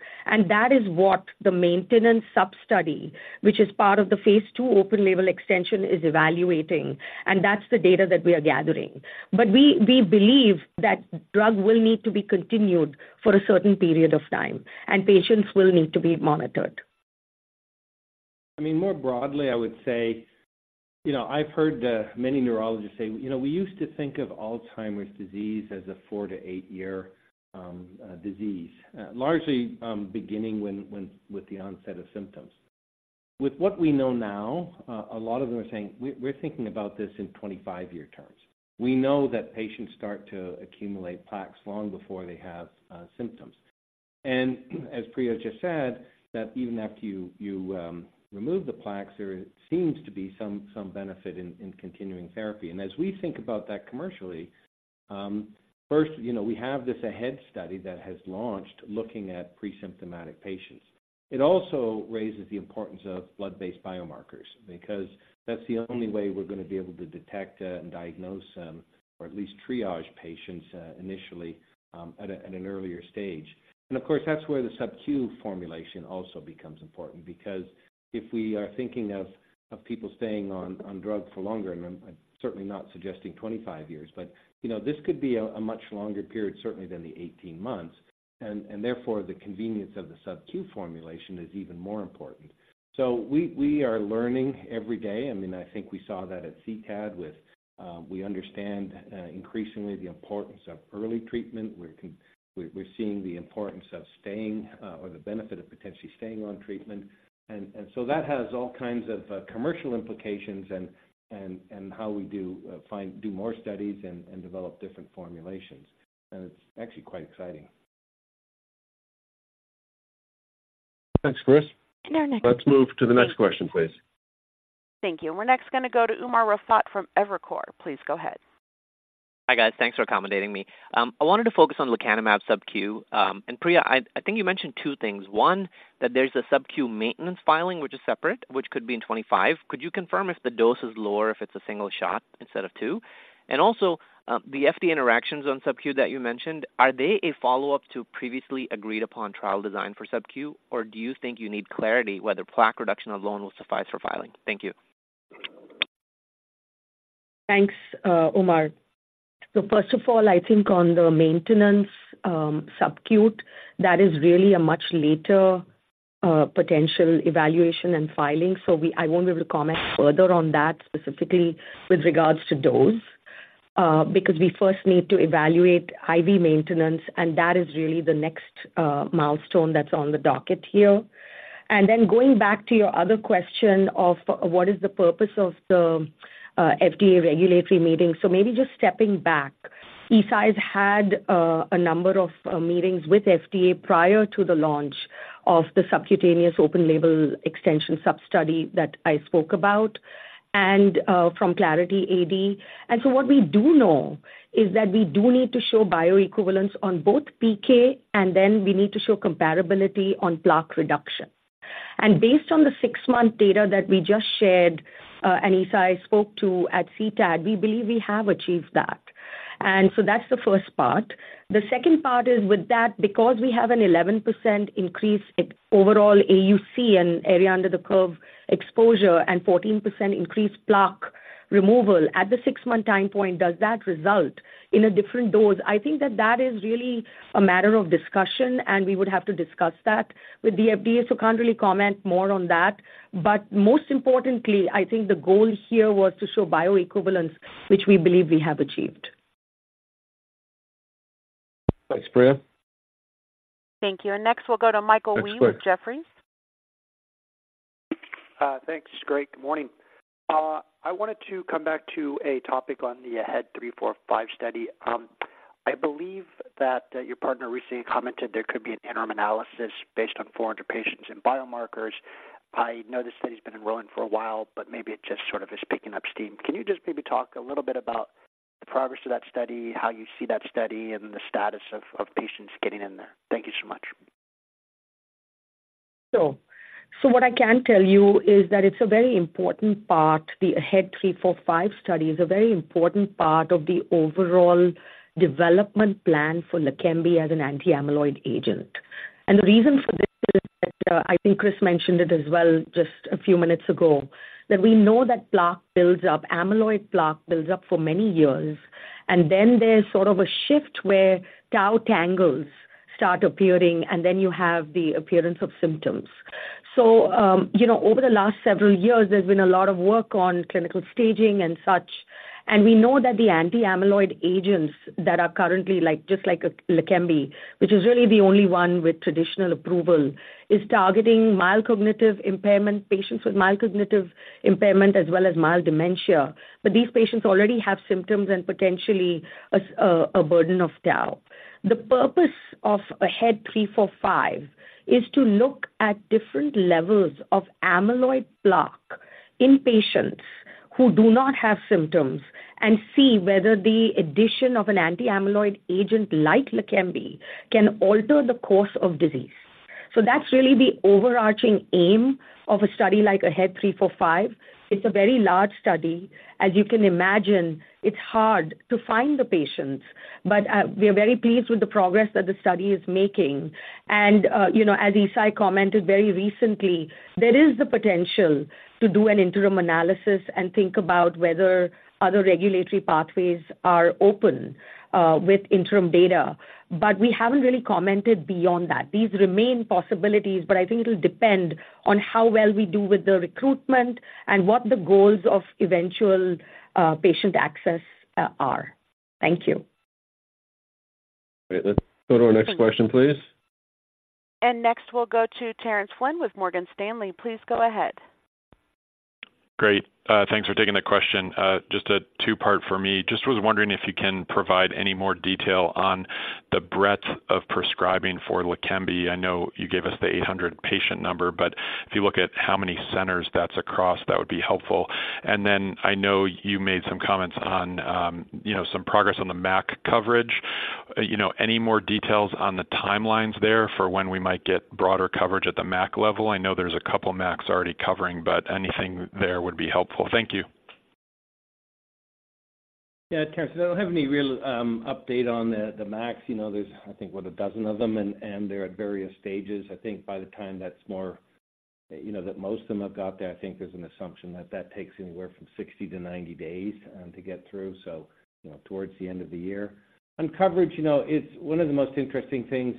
That is what the maintenance substudy, which is part of the phase II open label extension, is evaluating, and that's the data that we are gathering. But we believe that drug will need to be continued for a certain period of time, and patients will need to be monitored. I mean, more broadly, I would say, you know, I've heard, many neurologists say: "You know, we used to think of Alzheimer's disease as a four to eight-year, disease, largely, beginning when with the onset of symptoms." With what we know now, a lot of them are saying, "We're thinking about this in 25-year terms." We know that patients start to accumulate plaques long before they have, symptoms. And as Priya just said, that even after you remove the plaques, there seems to be some benefit in continuing therapy. And as we think about that commercially, first, you know, we have this AHEAD study that has launched looking at pre-symptomatic patients. It also raises the importance of blood-based biomarkers, because that's the only way we're going to be able to detect and diagnose, or at least triage patients, initially, at an earlier stage. And of course, that's where the subQ formulation also becomes important. Because if we are thinking of people staying on drug for longer, and I'm certainly not suggesting 25 years, but you know, this could be a much longer period, certainly than the 18 months, and therefore, the convenience of the subQ formulation is even more important. So we are learning every day. I mean, I think we saw that at CTAD with we understand increasingly the importance of early treatment. We're seeing the importance of staying, or the benefit of potentially staying on treatment. So that has all kinds of commercial implications and how we do more studies and develop different formulations. It's actually quite exciting. Thanks, Chris. And our next- Let's move to the next question, please. Thank you. We're next going to go to Umer Raffat from Evercore. Please go ahead. Hi, guys. Thanks for accommodating me. I wanted to focus on lecanemab subQ. And Priya, I think you mentioned two things. One, that there's a subQ maintenance filing, which is separate, which could be in 2025. Could you confirm if the dose is lower, if it's a single shot instead of two? And also, the FDA interactions on subQ that you mentioned, are they a follow-up to previously agreed upon trial design for subQ, or do you think you need clarity whether plaque reduction alone will suffice for filing? Thank you. Thanks, Umer. So first of all, I think on the maintenance, subQ, that is really a much later potential evaluation and filing, so we... I won't be able to comment further on that specifically with regards to dose, because we first need to evaluate IV maintenance, and that is really the next milestone that's on the docket here. And then going back to your other question of what is the purpose of the FDA regulatory meeting? So maybe just stepping back. Eisai's had a number of meetings with FDA prior to the launch of the subcutaneous open label extension substudy that I spoke about and from Clarity AD. And so what we do know is that we do need to show bioequivalence on both PK, and then we need to show comparability on plaque reduction. Based on the six-month data that we just shared, and Eisai spoke to at CTAD, we believe we have achieved that. So that's the first part. The second part is with that, because we have an 11% increase in overall AUC, in area under the curve exposure, and 14% increased plaque removal at the six-month time point, does that result in a different dose? I think that that is really a matter of discussion, and we would have to discuss that with the FDA, so can't really comment more on that. But most importantly, I think the goal here was to show bioequivalence, which we believe we have achieved. Thanks, Priya. Thank you. Next, we'll go to Michael Yee with Jefferies. Next question. Thanks. Great, good morning. I wanted to come back to a topic on the AHEAD 3-45 study. I believe that, your partner recently commented there could be an interim analysis based on 400 patients in biomarkers. I know the study's been enrolling for a while, but maybe it just sort of is picking up steam. Can you just maybe talk a little bit about the progress of that study, how you see that study, and the status of, of patients getting in there? Thank you so much. Sure. So what I can tell you is that it's a very important part. The AHEAD 3-45 study is a very important part of the overall development plan for LEQEMBI as an anti-amyloid agent. And the reason for this is that, I think Chris mentioned it as well just a few minutes ago, that we know that plaque builds up, amyloid plaque builds up for many years, and then there's sort of a shift where tau tangles start appearing, and then you have the appearance of symptoms. So, you know, over the last several years, there's been a lot of work on clinical staging and such, and we know that the anti-amyloid agents that are currently like, just like, LEQEMBI, which is really the only one with traditional approval, is targeting mild cognitive impairment, patients with mild cognitive impairment as well as mild dementia. But these patients already have symptoms and potentially a burden of tau. The purpose of AHEAD 3-45 is to look at different levels of amyloid plaque in patients who do not have symptoms and see whether the addition of an anti-amyloid agent like Leqembi can alter the course of disease. So that's really the overarching aim of a study like AHEAD 3-45. It's a very large study. As you can imagine, it's hard to find the patients, but we are very pleased with the progress that the study is making. And you know, as Eisai commented very recently, there is the potential to do an interim analysis and think about whether other regulatory pathways are open with interim data. But we haven't really commented beyond that. These remain possibilities, but I think it'll depend on how well we do with the recruitment and what the goals of eventual, patient access, are. Thank you. Great. Let's go to our next question, please. Next, we'll go to Terence Flynn with Morgan Stanley. Please go ahead. Great. Thanks for taking the question. Just a two-part for me. Just was wondering if you can provide any more detail on the breadth of prescribing for LEQEMBI. I know you gave us the 800 patient number, but if you look at how many centers that's across, that would be helpful. And then I know you made some comments on, you know, some progress on the MAC coverage. You know, any more details on the timelines there for when we might get broader coverage at the MAC level? I know there's a couple of MACs already covering, but anything there would be helpful. Thank you. Yeah, Terence, I don't have any real update on the MACs. You know, there's, I think, what, 12 of them, and they're at various stages. I think by the time that's more, you know, that most of them have got there, I think there's an assumption that that takes anywhere from 60-90 days to get through, so, you know, towards the end of the year. On coverage, you know, it's one of the most interesting things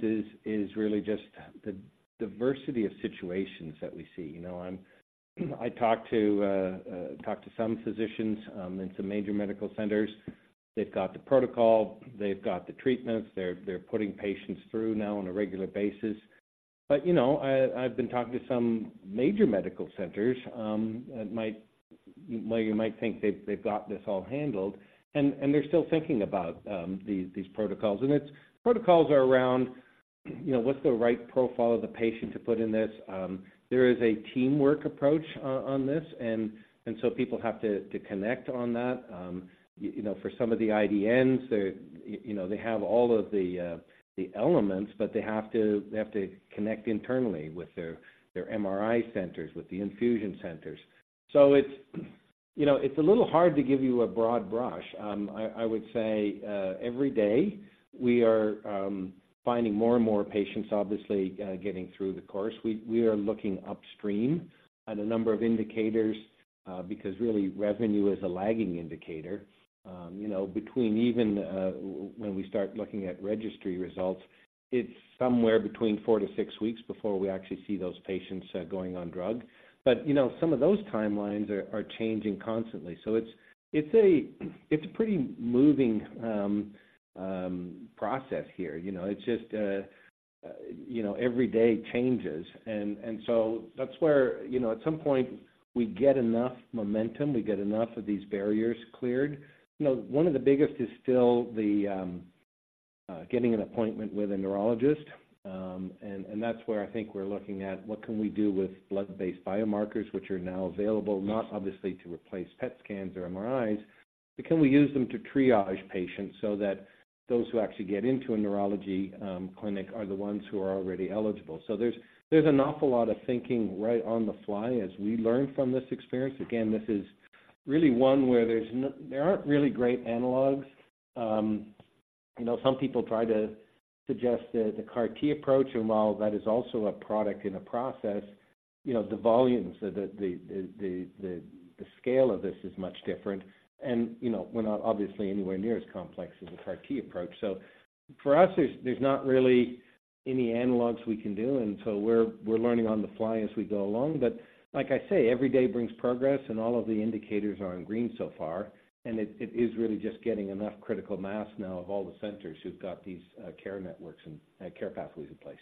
is really just the diversity of situations that we see. You know, I talk to some physicians in some major medical centers. They've got the protocol, they've got the treatments. They're putting patients through now on a regular basis. But, you know, I, I've been talking to some major medical centers that might... Well, you might think they've got this all handled, and they're still thinking about these protocols. And its protocols are around, you know, what's the right profile of the patient to put in this? There is a teamwork approach on this, and so people have to connect on that. You know, for some of the IDNs, they're, you know, they have all of the elements, but they have to connect internally with their MRI centers, with the infusion centers. So it's a little hard to give you a broad brush. I would say every day we are finding more and more patients, obviously, getting through the course. We are looking upstream at a number of indicators because really, revenue is a lagging indicator. You know, between even when we start looking at registry results, it's somewhere between four-six weeks before we actually see those patients going on drug. But, you know, some of those timelines are changing constantly. So it's a pretty moving process here. You know, it's just, you know, every day changes. And so that's where, you know, at some point we get enough momentum, we get enough of these barriers cleared. You know, one of the biggest is still the getting an appointment with a neurologist. And that's where I think we're looking at what can we do with blood-based biomarkers, which are now available, not obviously to replace PET scans or MRIs, but can we use them to triage patients so that those who actually get into a neurology clinic are the ones who are already eligible? So there's an awful lot of thinking right on the fly as we learn from this experience. Again, this is really one where there's no, there aren't really great analogs. You know, some people try to suggest that the CAR-T approach, and while that is also a product in a process, you know, the volumes, the scale of this is much different. And, you know, we're not obviously anywhere near as complex as a CAR-T approach. So for us, there's not really any analogs we can do, and so we're learning on the fly as we go along. But like I say, every day brings progress, and all of the indicators are in green so far. And it is really just getting enough critical mass now of all the centers who've got these care networks and care pathways in place.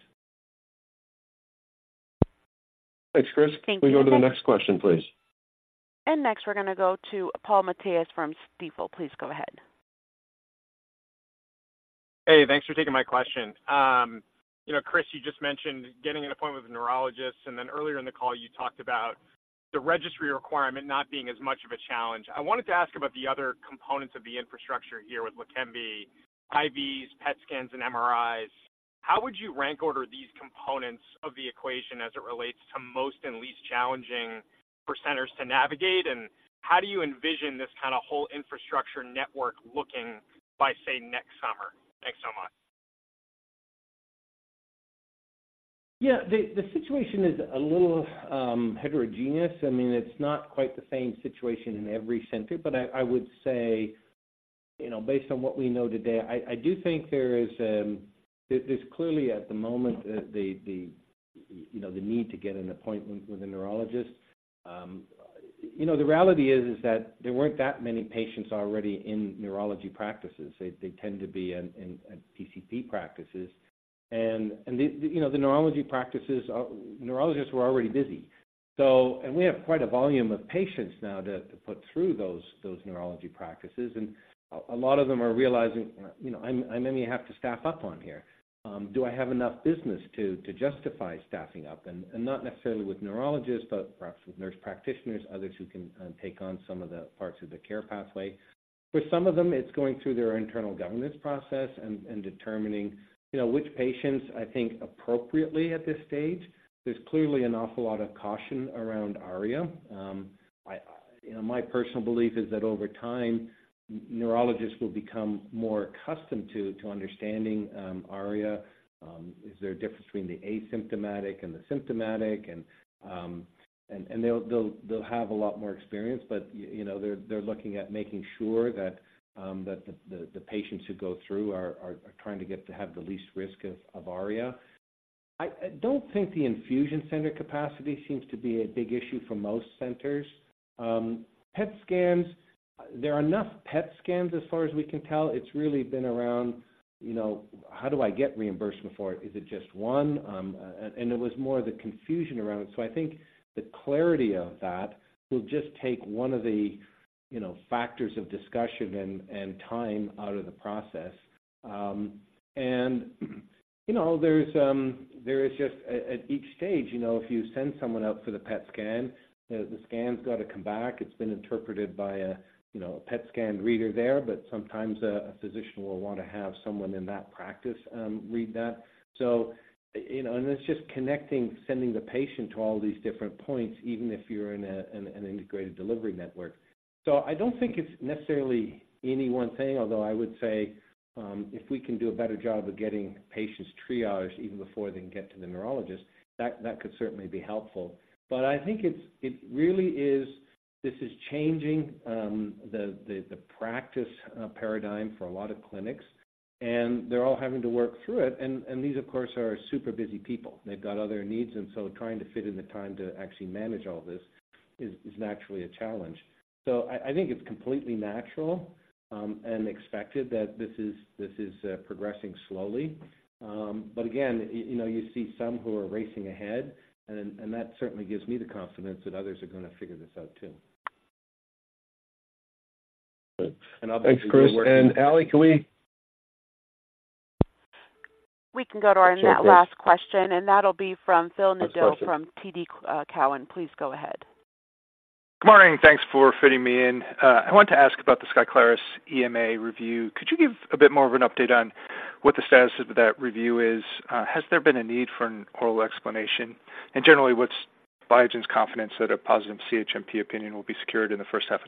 Thanks, Chris. Thank you. Can we go to the next question, please? Next, we're gonna go to Paul Matteis from Stifel. Please go ahead. Hey, thanks for taking my question. You know, Chris, you just mentioned getting an appointment with a neurologist, and then earlier in the call, you talked about the registry requirement not being as much of a challenge. I wanted to ask about the other components of the infrastructure here with LEQEMBI, IVs, PET scans, and MRIs. How would you rank order these components of the equation as it relates to most and least challenging for centers to navigate? And how do you envision this kinda whole infrastructure network looking by, say, next summer? Thanks so much. Yeah, the situation is a little heterogeneous. I mean, it's not quite the same situation in every center, but I would say, you know, based on what we know today, I do think there's clearly at the moment, you know, the need to get an appointment with a neurologist. You know, the reality is that there weren't that many patients already in neurology practices. They tend to be in PCP practices. And the neurology practices are, neurologists were already busy. So, and we have quite a volume of patients now to put through those neurology practices. And a lot of them are realizing, you know, I maybe have to staff up on here. Do I have enough business to justify staffing up? Not necessarily with neurologists, but perhaps with nurse practitioners, others who can take on some of the parts of the care pathway. For some of them, it's going through their internal governance process and determining, you know, which patients, I think, appropriately at this stage. There's clearly an awful lot of caution around ARIA. I, you know, my personal belief is that over time, neurologists will become more accustomed to understanding ARIA. Is there a difference between the asymptomatic and the symptomatic? And they'll have a lot more experience, but, you know, they're looking at making sure that the patients who go through are trying to get to have the least risk of ARIA. I don't think the infusion center capacity seems to be a big issue for most centers. PET scans, there are enough PET scans as far as we can tell. It's really been around, you know, how do I get reimbursement for it? Is it just one? And it was more the confusion around it. So I think the clarity of that will just take one of the, you know, factors of discussion and time out of the process. And, you know, there is just at each stage, you know, if you send someone out for the PET scan, the scan's got to come back. It's been interpreted by a, you know, PET scan reader there, but sometimes a physician will want to have someone in that practice read that. So, you know, and it's just connecting, sending the patient to all these different points, even if you're in an integrated delivery network. So I don't think it's necessarily any one thing, although I would say, if we can do a better job of getting patients triaged even before they can get to the neurologist, that could certainly be helpful. But I think it's... It really is, this is changing, the practice paradigm for a lot of clinics, and they're all having to work through it. And these, of course, are super busy people. They've got other needs, and so trying to fit in the time to actually manage all this is naturally a challenge. So I think it's completely natural, and expected that this is progressing slowly. But again, you know, you see some who are racing ahead, and that certainly gives me the confidence that others are going to figure this out too. Thanks, Chris. And Allie, can we- We can go to our last question, and that'll be from Phil Nadeau from TD Cowen. Please go ahead. Good morning. Thanks for fitting me in. I wanted to ask about the Skyclarys EMA review. Could you give a bit more of an update on what the status of that review is? Has there been a need for an oral explanation? And generally, what's Biogen's confidence that a positive CHMP opinion will be secured in the first half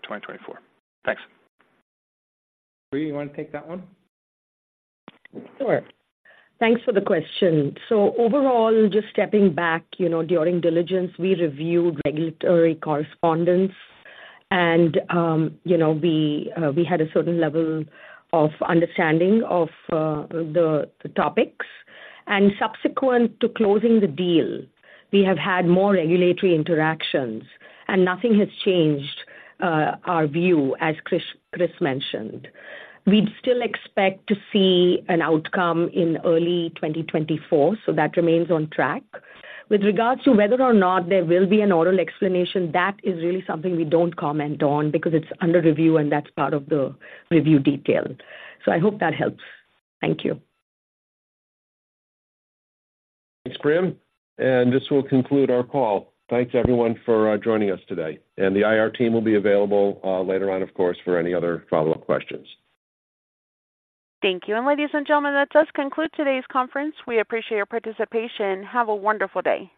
of 2024? Thanks. Pri, you want to take that one? Sure. Thanks for the question. So overall, just stepping back, you know, during diligence, we reviewed regulatory correspondence and, you know, we had a certain level of understanding of the topics. And subsequent to closing the deal, we have had more regulatory interactions, and nothing has changed our view, as Chris mentioned. We'd still expect to see an outcome in early 2024, so that remains on track. With regards to whether or not there will be an oral explanation, that is really something we don't comment on because it's under review, and that's part of the review detail. So I hope that helps. Thank you. Thanks, Pri, and this will conclude our call. Thanks, everyone, for joining us today. The IR team will be available later on, of course, for any other follow-up questions. Thank you. Ladies and gentlemen, that does conclude today's conference. We appreciate your participation. Have a wonderful day.